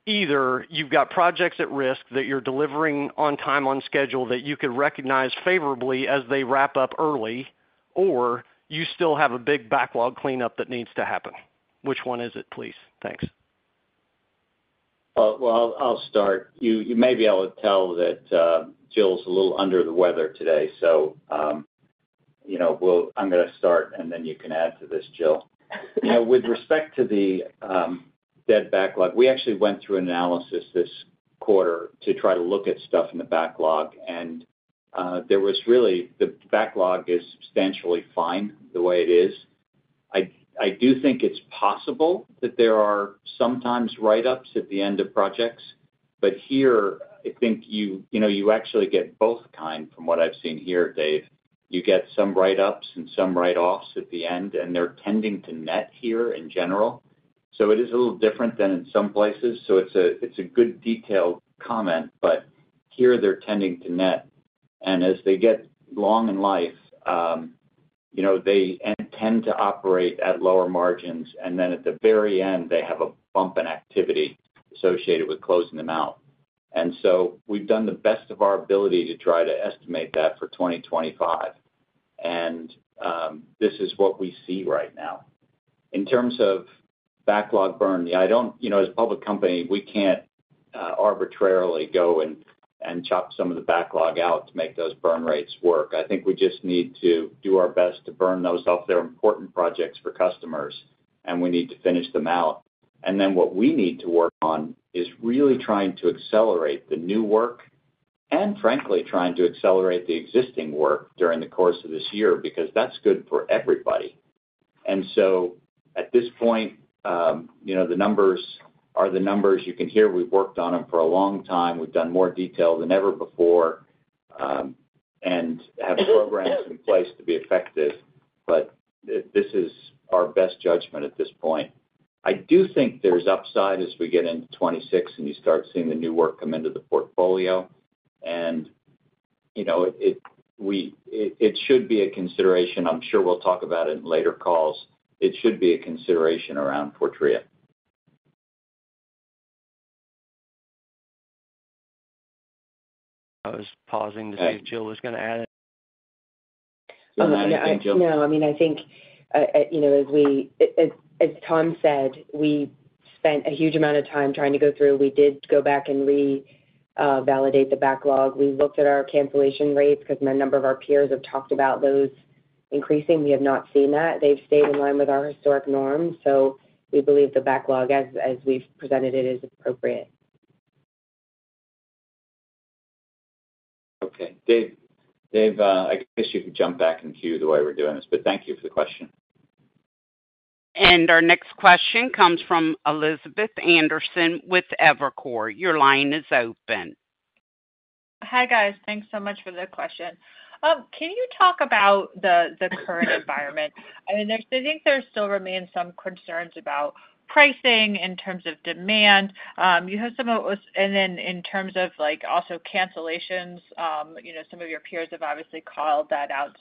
either you've got projects at risk that you're delivering on time, on schedule, that you could recognize favorably as they wrap up early, or you still have a big backlog cleanup that needs to happen. Which one is it, please? Thanks. I'll start. Maybe I'll tell that Jill's a little under the weather today. I'm going to start, and then you can add to this, Jill. With respect to the dead backlog, we actually went through analysis this quarter to try to look at stuff in the backlog. The backlog is substantially fine the way it is. I do think it's possible that there are sometimes write-ups at the end of projects. Here, I think you actually get both kinds from what I've seen here, Dave. You get some write-ups and some write-offs at the end, and they're tending to net here in general. It is a little different than in some places. It is a good detailed comment, but here they're tending to net. As they get long in life, they tend to operate at lower margins, and then at the very end, they have a bump in activity associated with closing them out. We have done the best of our ability to try to estimate that for 2025. This is what we see right now. In terms of backlog burn, as a public company, we can't arbitrarily go and chop some of the backlog out to make those burn rates work. I think we just need to do our best to burn those off. They're important projects for customers, and we need to finish them out. What we need to work on is really trying to accelerate the new work and, frankly, trying to accelerate the existing work during the course of this year because that is good for everybody. At this point, the numbers are the numbers you can hear. We have worked on them for a long time. We have done more detail than ever before and have programs in place to be effective. This is our best judgment at this point. I do think there is upside as we get into 2026 and you start seeing the new work come into the portfolio. It should be a consideration. I am sure we will talk about it in later calls. It should be a consideration around Fortrea. I was pausing to see if Jill was going to add it. No, I mean, I think as Tom said, we spent a huge amount of time trying to go through. We did go back and revalidate the backlog. We looked at our cancellation rates because a number of our peers have talked about those increasing. We have not seen that. They have stayed in line with our historic norms. So we believe the backlog, as we have presented it, is appropriate. Okay. Dave, I guess you could jump back in queue the way we are doing this, but thank you for the question. Our next question comes from Elizabeth Anderson with Evercore. Your line is open. Hi guys. Thanks so much for the question. Can you talk about the current environment? I think there still remain some concerns about pricing in terms of demand. You have some of us in terms of also cancellations, some of your peers have obviously called that out.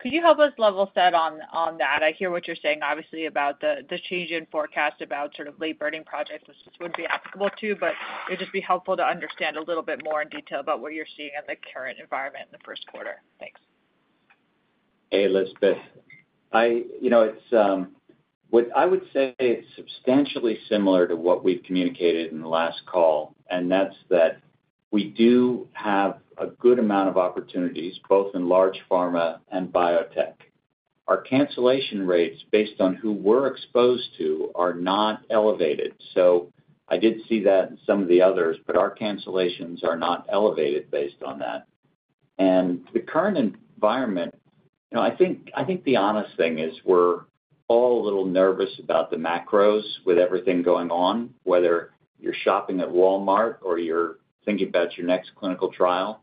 Could you help us level set on that? I hear what you're saying, obviously, about the change in forecast about sort of late-burning projects would be applicable too, but it would just be helpful to understand a little bit more in detail about what you're seeing in the current environment in the first quarter. Thanks. Hey, Elizabeth. What I would say, it's substantially similar to what we've communicated in the last call, and that's that we do have a good amount of opportunities, both in large pharma and biotech. Our cancellation rates, based on who we're exposed to, are not elevated. I did see that in some of the others, but our cancellations are not elevated based on that. The current environment, I think the honest thing is we're all a little nervous about the macros with everything going on, whether you're shopping at Walmart or you're thinking about your next clinical trial.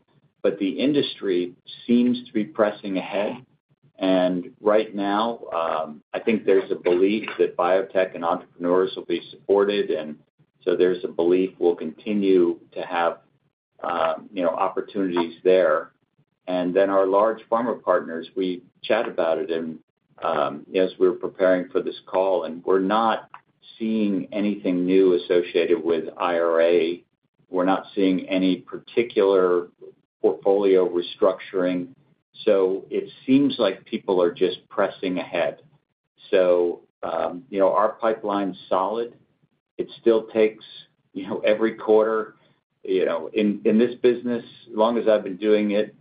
The industry seems to be pressing ahead. Right now, I think there's a belief that biotech and entrepreneurs will be supported. There's a belief we'll continue to have opportunities there. Our large pharma partners, we chat about it as we were preparing for this call, and we're not seeing anything new associated with IRA. We're not seeing any particular portfolio restructuring. It seems like people are just pressing ahead. Our pipeline is solid. It still takes every quarter. In this business, as long as I've been doing it,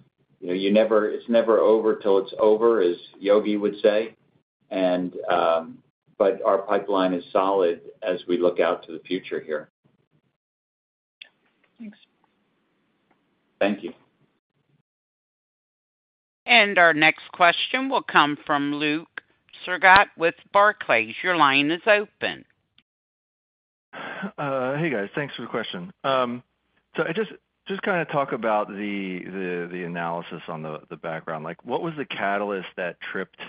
it's never over till it's over, as Yogi would say. Our pipeline is solid as we look out to the future here. Thank you. Our next question will come from Luke Sergott with Barclays. Your line is open. Hey, guys. Thanks for the question. Just kind of talk about the analysis on the background. What was the catalyst that tripped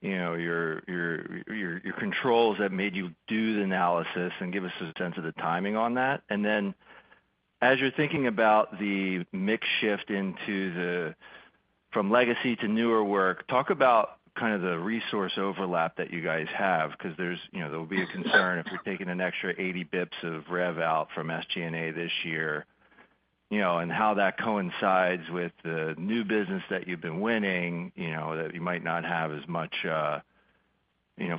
your controls that made you do the analysis and give us a sense of the timing on that? As you're thinking about the mix shift from legacy to newer work, talk about kind of the resource overlap that you guys have because there will be a concern if you're taking an extra 80 basis points of revenue out from SG&A this year and how that coincides with the new business that you've been winning that you might not have as much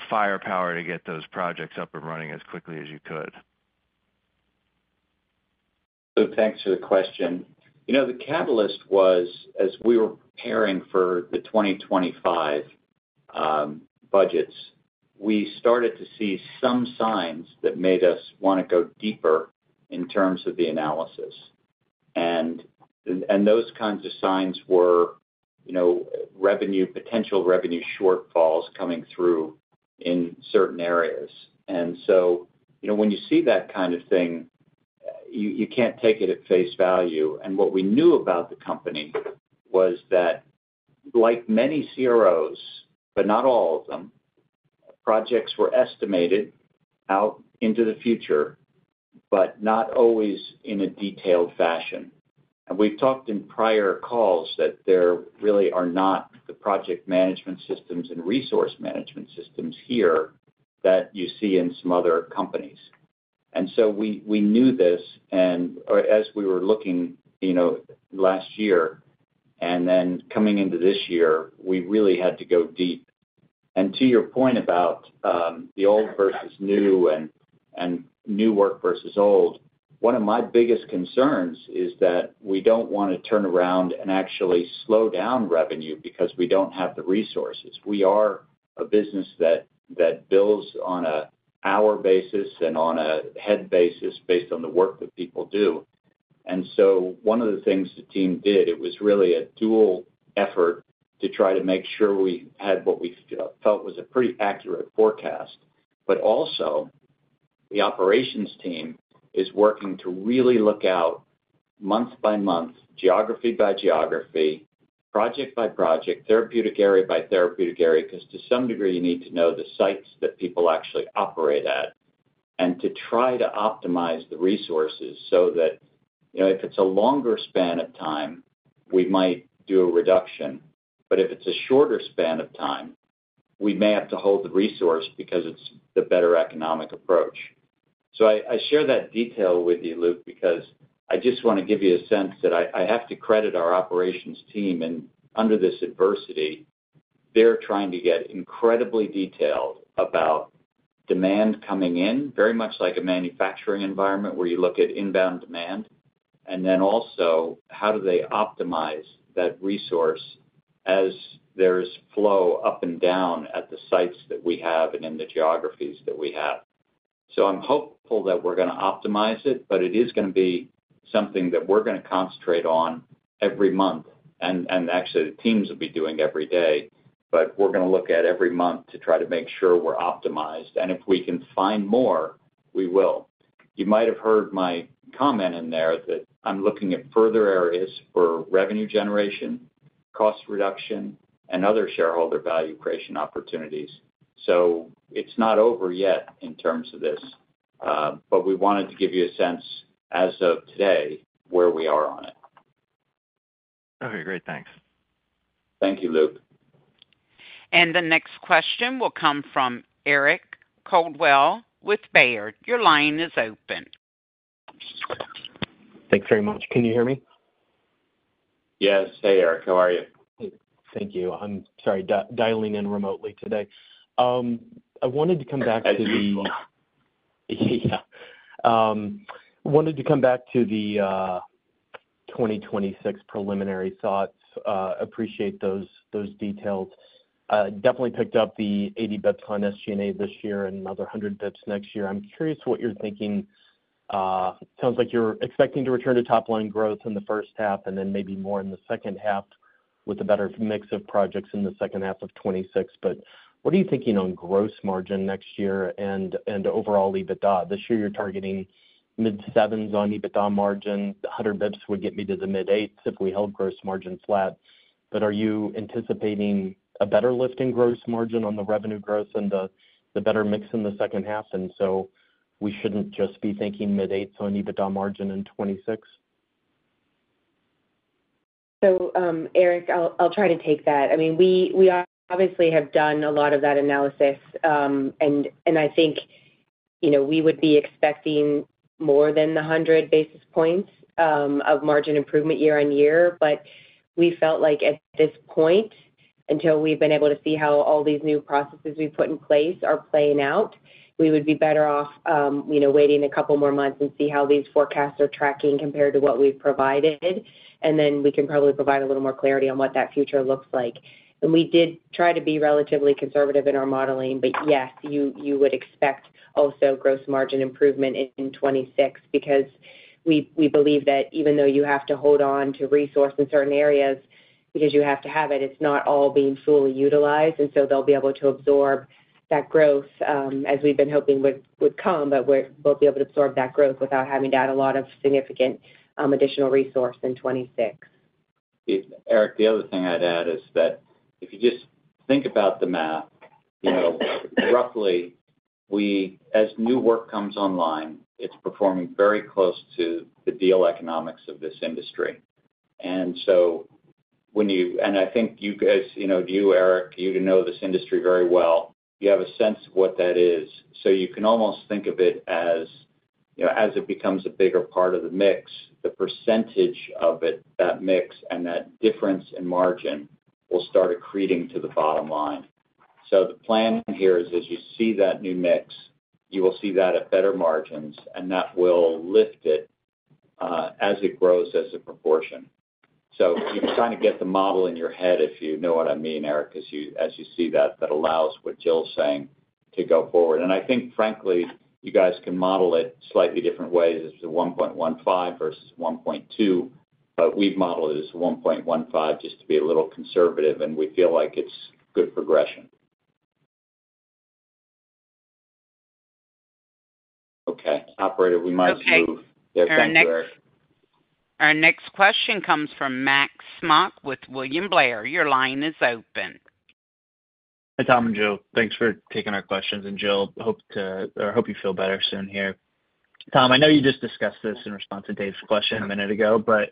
firepower to get those projects up and running as quickly as you could. Thanks for the question. The catalyst was, as we were preparing for the 2025 budgets, we started to see some signs that made us want to go deeper in terms of the analysis. Those kinds of signs were potential revenue shortfalls coming through in certain areas. When you see that kind of thing, you can't take it at face value. What we knew about the company was that, like many CROs, but not all of them, projects were estimated out into the future, but not always in a detailed fashion. We have talked in prior calls that there really are not the project management systems and resource management systems here that you see in some other companies. We knew this as we were looking last year. Coming into this year, we really had to go deep. To your point about the old versus new and new work versus old, one of my biggest concerns is that we do not want to turn around and actually slow down revenue because we do not have the resources. We are a business that builds on an hour basis and on a head basis based on the work that people do. One of the things the team did, it was really a dual effort to try to make sure we had what we felt was a pretty accurate forecast. The operations team is working to really look out month by month, geography by geography, project by project, therapeutic area by therapeutic area because to some degree, you need to know the sites that people actually operate at and to try to optimize the resources so that if it's a longer span of time, we might do a reduction. If it's a shorter span of time, we may have to hold the resource because it's the better economic approach. I share that detail with you, Luke, because I just want to give you a sense that I have to credit our operations team. Under this adversity, they're trying to get incredibly detailed about demand coming in, very much like a manufacturing environment where you look at inbound demand. How do they optimize that resource as there is flow up and down at the sites that we have and in the geographies that we have? I'm hopeful that we're going to optimize it, but it is going to be something that we're going to concentrate on every month. Actually, the teams will be doing every day, but we're going to look at every month to try to make sure we're optimized. If we can find more, we will. You might have heard my comment in there that I'm looking at further areas for revenue generation, cost reduction, and other shareholder value creation opportunities. It is not over yet in terms of this, but we wanted to give you a sense as of today where we are on it. Okay. Great. Thanks. Thank you, Luke. The next question will come from Eric Coldwell with Baird. Your line is open. Thanks very much. Can you hear me? Yes. Hey, Eric. How are you? Thank you. I'm sorry. Dialing in remotely today. I wanted to come back to the—yeah. Wanted to come back to the 2026 preliminary thoughts. Appreciate those details. Definitely picked up the 80 basis points on SG&A this year and another 100 basis points next year. I'm curious what you're thinking. Sounds like you're expecting to return to top-line growth in the first half and then maybe more in the second half with a better mix of projects in the second half of 2026. What are you thinking on gross margin next year and overall EBITDA? This year, you're targeting mid-sevens on EBITDA margin. 100 basis points would get me to the mid-eights if we held gross margin flat. Are you anticipating a better lift in gross margin on the revenue growth and the better mix in the second half? We should not just be thinking mid-eights on EBITDA margin in 2026? Eric, I'll try to take that. I mean, we obviously have done a lot of that analysis, and I think we would be expecting more than the 100 basis points of margin improvement year-on-year. We felt like at this point, until we've been able to see how all these new processes we've put in place are playing out, we would be better off waiting a couple more months and see how these forecasts are tracking compared to what we've provided. We can probably provide a little more clarity on what that future looks like. We did try to be relatively conservative in our modeling, but yes, you would expect also gross margin improvement in 2026 because we believe that even though you have to hold on to resource in certain areas because you have to have it, it's not all being fully utilized. They will be able to absorb that growth as we've been hoping would come, but we'll be able to absorb that growth without having to add a lot of significant additional resource in 2026. Eric, the other thing I'd add is that if you just think about the math, roughly, as new work comes online, it's performing very close to the deal economics of this industry. When you—and I think you guys, you, Eric, you know this industry very well. You have a sense of what that is. You can almost think of it as, as it becomes a bigger part of the mix, the percentage of that mix and that difference in margin will start accreting to the bottom line. The plan here is, as you see that new mix, you will see that at better margins, and that will lift it as it grows as a proportion. You are trying to get the model in your head, if you know what I mean, Eric, as you see that, that allows what Jill's saying to go forward. I think, frankly, you guys can model it slightly different ways as the 1.15 versus 1.2, but we've modeled it as 1.15 just to be a little conservative, and we feel like it's good progression. Okay. Operator, we might as well move. Our next question comes from Max Smock with William Blair. Your line is open. Hi, Tom and Jill. Thanks for taking our questions. Jill, hope you feel better soon here. Tom, I know you just discussed this in response to Dave's question a minute ago, but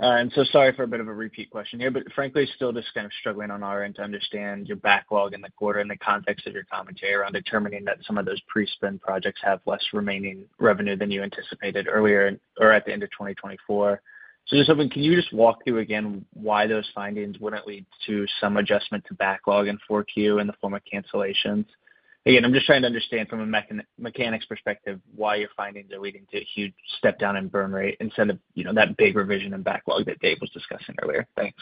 I'm sorry for a bit of a repeat question here, but frankly, still just kind of struggling on our end to understand your backlog in the quarter and the context of your commentary around determining that some of those pre-spend projects have less remaining revenue than you anticipated earlier or at the end of 2024. Just hoping, can you just walk through again why those findings wouldn't lead to some adjustment to backlog in Q4 in the form of cancellations? Again, I'm just trying to understand from a mechanics perspective why your findings are leading to a huge step down in burn rate instead of that big revision in backlog that Dave was discussing earlier. Thanks.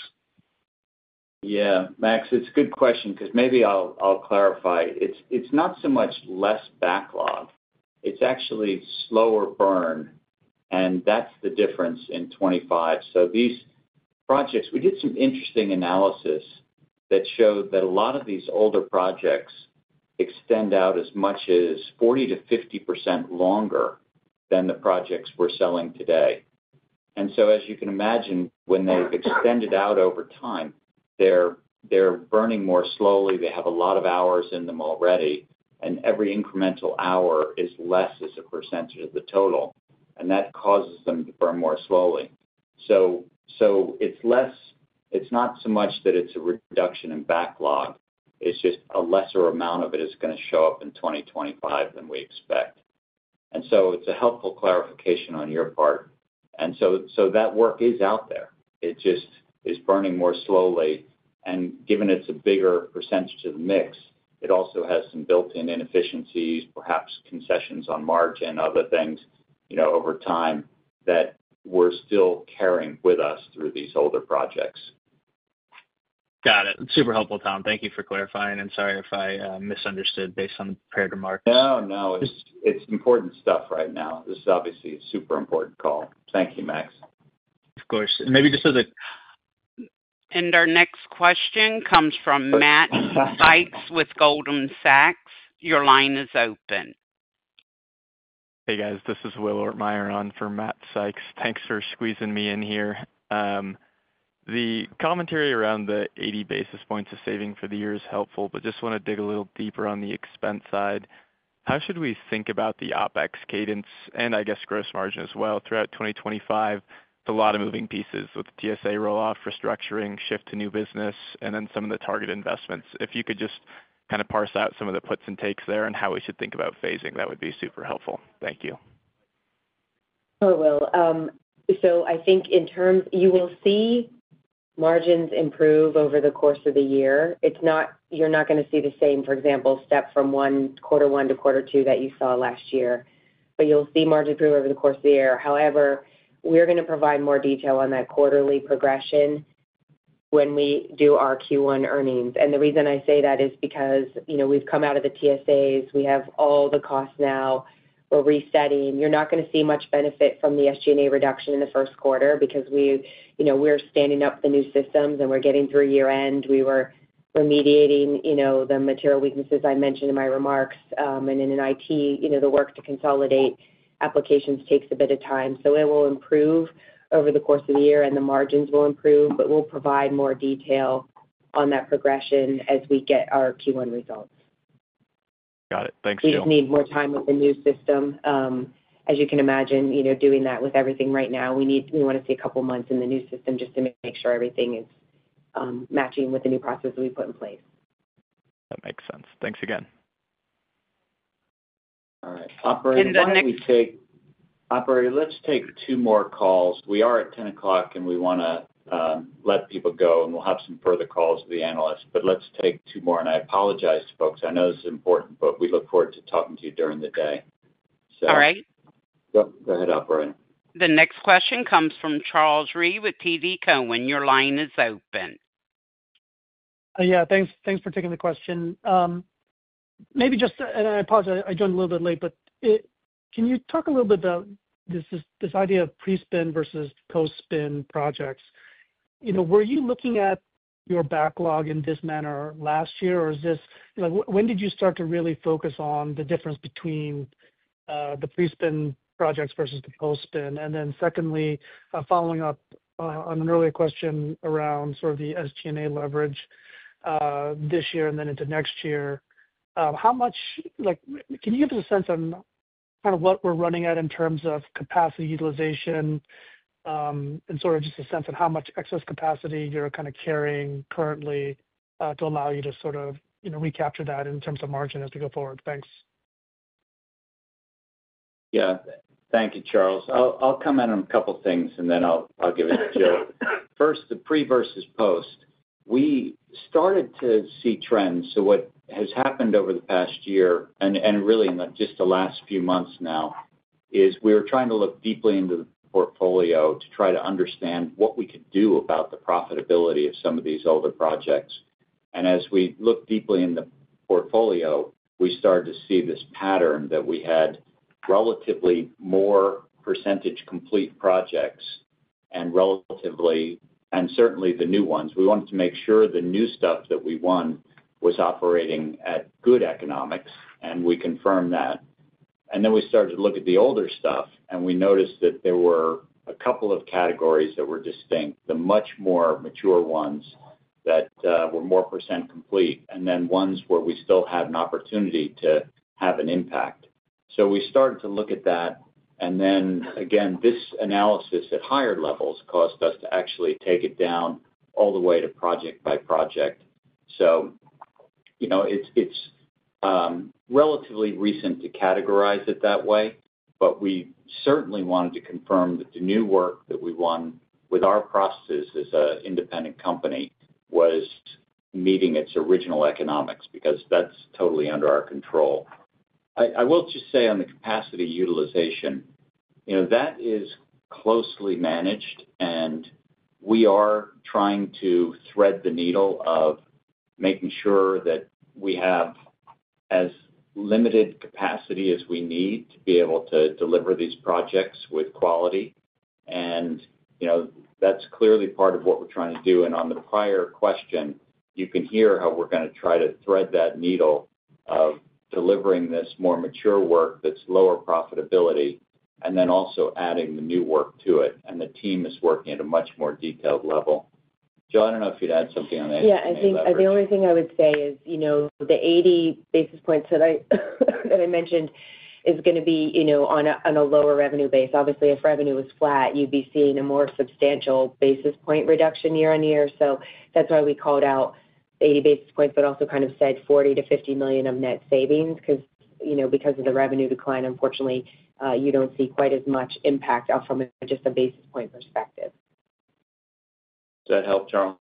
Yeah. Max, it's a good question because maybe I'll clarify. It's not so much less backlog. It's actually slower burn, and that's the difference in 2025. These projects, we did some interesting analysis that showed that a lot of these older projects extend out as much as 40%-50% longer than the projects we're selling today. As you can imagine, when they've extended out over time, they're burning more slowly. They have a lot of hours in them already, and every incremental hour is less as a percentage of the total. That causes them to burn more slowly. It's not so much that it's a reduction in backlog. It's just a lesser amount of it is going to show up in 2025 than we expect. It's a helpful clarification on your part. That work is out there. It just is burning more slowly. And given it's a bigger percentage of the mix, it also has some built-in inefficiencies, perhaps concessions on margin, other things over time that we're still carrying with us through these older projects. Got it. Super helpful, Tom. Thank you for clarifying. Sorry if I misunderstood based on the prepared remarks. No, no. It's important stuff right now. This is obviously a super important call. Thank you, Max. Of course. Maybe just as a— Our next question comes from Matt Sykes with Goldman Sachs. Your line is open. Hey, guys. This is Will Ortmayer on for Matt Sykes. Thanks for squeezing me in here. The commentary around the 80 basis points of saving for the year is helpful, but just want to dig a little deeper on the expense side. How should we think about the OpEx cadence and, I guess, gross margin as well throughout 2025? It's a lot of moving pieces with TSA rolloff, restructuring, shift to new business, and then some of the target investments. If you could just kind of parse out some of the puts and takes there and how we should think about phasing, that would be super helpful. Thank you. Sure, Will. I think in terms you will see margins improve over the course of the year. You're not going to see the same, for example, step from quarter one to quarter two that you saw last year. You'll see margin improve over the course of the year. However, we're going to provide more detail on that quarterly progression when we do our Q1 earnings. The reason I say that is because we've come out of the TSAs. We have all the costs now. We're resetting. You're not going to see much benefit from the SG&A reduction in the first quarter because we're standing up the new systems and we're getting through year-end. We were remediating the material weaknesses I mentioned in my remarks. In IT, the work to consolidate applications takes a bit of time. It will improve over the course of the year and the margins will improve, but we'll provide more detail on that progression as we get our Q1 results. Got it. Thanks, Jill. We just need more time with the new system. As you can imagine, doing that with everything right now, we want to see a couple of months in the new system just to make sure everything is matching with the new processes we put in place. That makes sense. Thanks again. All right. Operator, let me take—Operator, let's take two more calls. We are at 10:00 and we want to let people go, and we'll have some further calls with the analysts. Let's take two more. I apologize to folks. I know this is important, but we look forward to talking to you during the day. All right. Yep. Go ahead, Operator. The next question comes from Charles Rhyee with TD Cowen. Your line is open. Yeah. Thanks for taking the question. Maybe just—and I apologize. I joined a little bit late, but can you talk a little bit about this idea of pre-spend versus post-spend projects? Were you looking at your backlog in this manner last year, or is this—when did you start to really focus on the difference between the pre-spend projects versus the post-spend? Secondly, following up on an earlier question around sort of the SG&A leverage this year and then into next year, how much can you give us a sense on kind of what we're running at in terms of capacity utilization and sort of just a sense of how much excess capacity you're kind of carrying currently to allow you to sort of recapture that in terms of margin as we go forward? Thanks. Yeah. Thank you, Charles. I'll comment on a couple of things, and then I'll give it to Jill. First, the pre versus post. We started to see trends. What has happened over the past year, and really in just the last few months now, is we were trying to look deeply into the portfolio to try to understand what we could do about the profitability of some of these older projects. As we looked deeply in the portfolio, we started to see this pattern that we had relatively more percentage complete projects and certainly the new ones. We wanted to make sure the new stuff that we won was operating at good economics, and we confirmed that. We started to look at the older stuff, and we noticed that there were a couple of categories that were distinct: the much more mature ones that were more percent complete, and then ones where we still had an opportunity to have an impact. We started to look at that. This analysis at higher levels caused us to actually take it down all the way to project by project. It's relatively recent to categorize it that way, but we certainly wanted to confirm that the new work that we won with our processes as an independent company was meeting its original economics because that's totally under our control. I will just say on the capacity utilization, that is closely managed, and we are trying to thread the needle of making sure that we have as limited capacity as we need to be able to deliver these projects with quality. That's clearly part of what we're trying to do. On the prior question, you can hear how we're going to try to thread that needle of delivering this more mature work that's lower profitability and then also adding the new work to it. The team is working at a much more detailed level. Jill, I don't know if you'd add something on that. Yeah. I think the only thing I would say is the 80 basis points that I mentioned is going to be on a lower revenue base. Obviously, if revenue was flat, you'd be seeing a more substantial basis point reduction year-on-year. That is why we called out 80 basis points, but also kind of said $40 million-$50 million of net savings because of the revenue decline. Unfortunately, you do not see quite as much impact from just a basis point perspective. Does that help, Charles?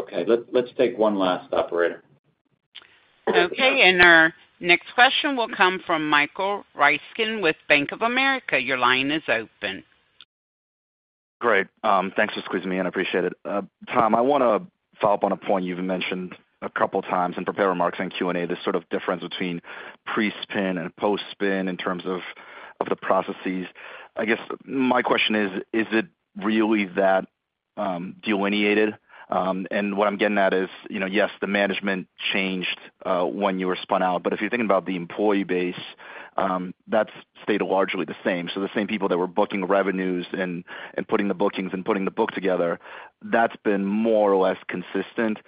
Okay. Let's take one last, Operator. Okay. Our next question will come from Michael Ryskin with Bank of America. Your line is open. Great. Thanks for squeezing me in. I appreciate it. Tom, I want to follow up on a point you've mentioned a couple of times in prepared remarks and Q&A, the sort of difference between pre-spin and post-spin in terms of the processes. I guess my question is, is it really that delineated? What I'm getting at is, yes, the management changed when you were spun out. If you're thinking about the employee base, that's stayed largely the same. The same people that were booking revenues and putting the bookings and putting the book together, that's been more or less consistent.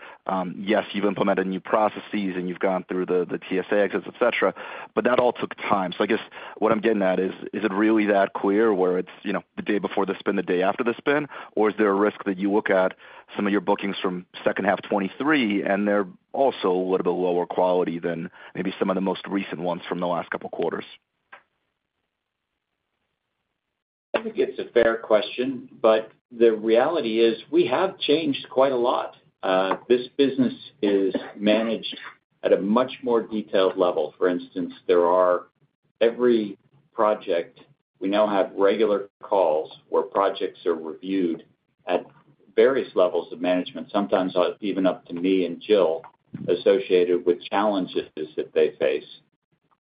Yes, you've implemented new processes and you've gone through the TSA exits, etc., but that all took time. I guess what I'm getting at is, is it really that clear where it's the day before the spin, the day after the spin, or is there a risk that you look at some of your bookings from second half 2023 and they're also a little bit lower quality than maybe some of the most recent ones from the last couple of quarters? I think it's a fair question, but the reality is we have changed quite a lot. This business is managed at a much more detailed level. For instance, every project, we now have regular calls where projects are reviewed at various levels of management, sometimes even up to me and Jill, associated with challenges that they face.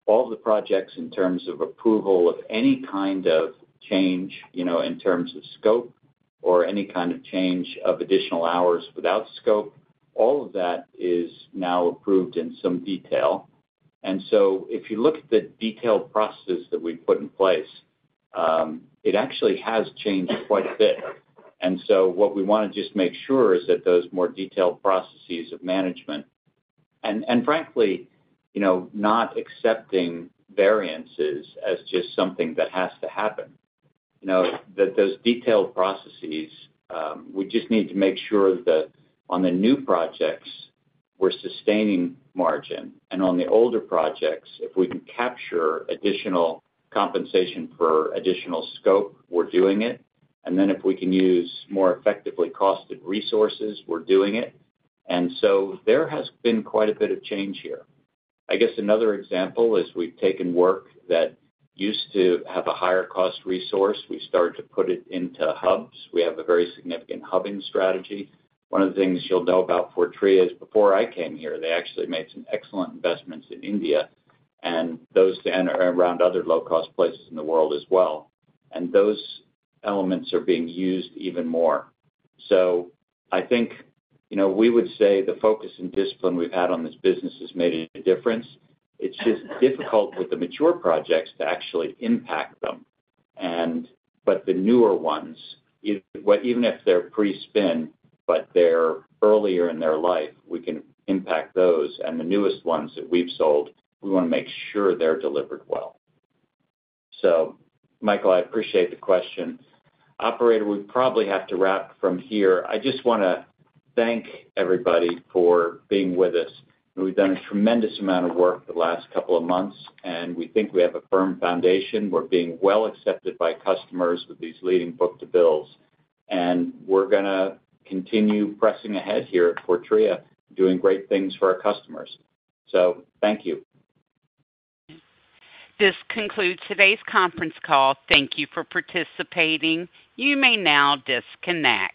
All the projects in terms of approval of any kind of change in terms of scope or any kind of change of additional hours without scope, all of that is now approved in some detail. If you look at the detailed processes that we've put in place, it actually has changed quite a bit. What we want to just make sure is that those more detailed processes of management, and frankly, not accepting variances as just something that has to happen, that those detailed processes, we just need to make sure that on the new projects, we're sustaining margin. On the older projects, if we can capture additional compensation for additional scope, we're doing it. If we can use more effectively costed resources, we're doing it. There has been quite a bit of change here. I guess another example is we've taken work that used to have a higher cost resource. We started to put it into hubs. We have a very significant hubbing strategy. One of the things you'll know about Fortrea is before I came here, they actually made some excellent investments in India and those around other low-cost places in the world as well. Those elements are being used even more. I think we would say the focus and discipline we've had on this business has made a difference. It's just difficult with the mature projects to actually impact them. The newer ones, even if they're pre-spin, but they're earlier in their life, we can impact those. The newest ones that we've sold, we want to make sure they're delivered well. Michael, I appreciate the question. Operator, we probably have to wrap from here. I just want to thank everybody for being with us. We've done a tremendous amount of work the last couple of months, and we think we have a firm foundation. We're being well accepted by customers with these leading book-to-bills. We're going to continue pressing ahead here at Fortrea, doing great things for our customers. Thank you. This concludes today's conference call. Thank you for participating. You may now disconnect.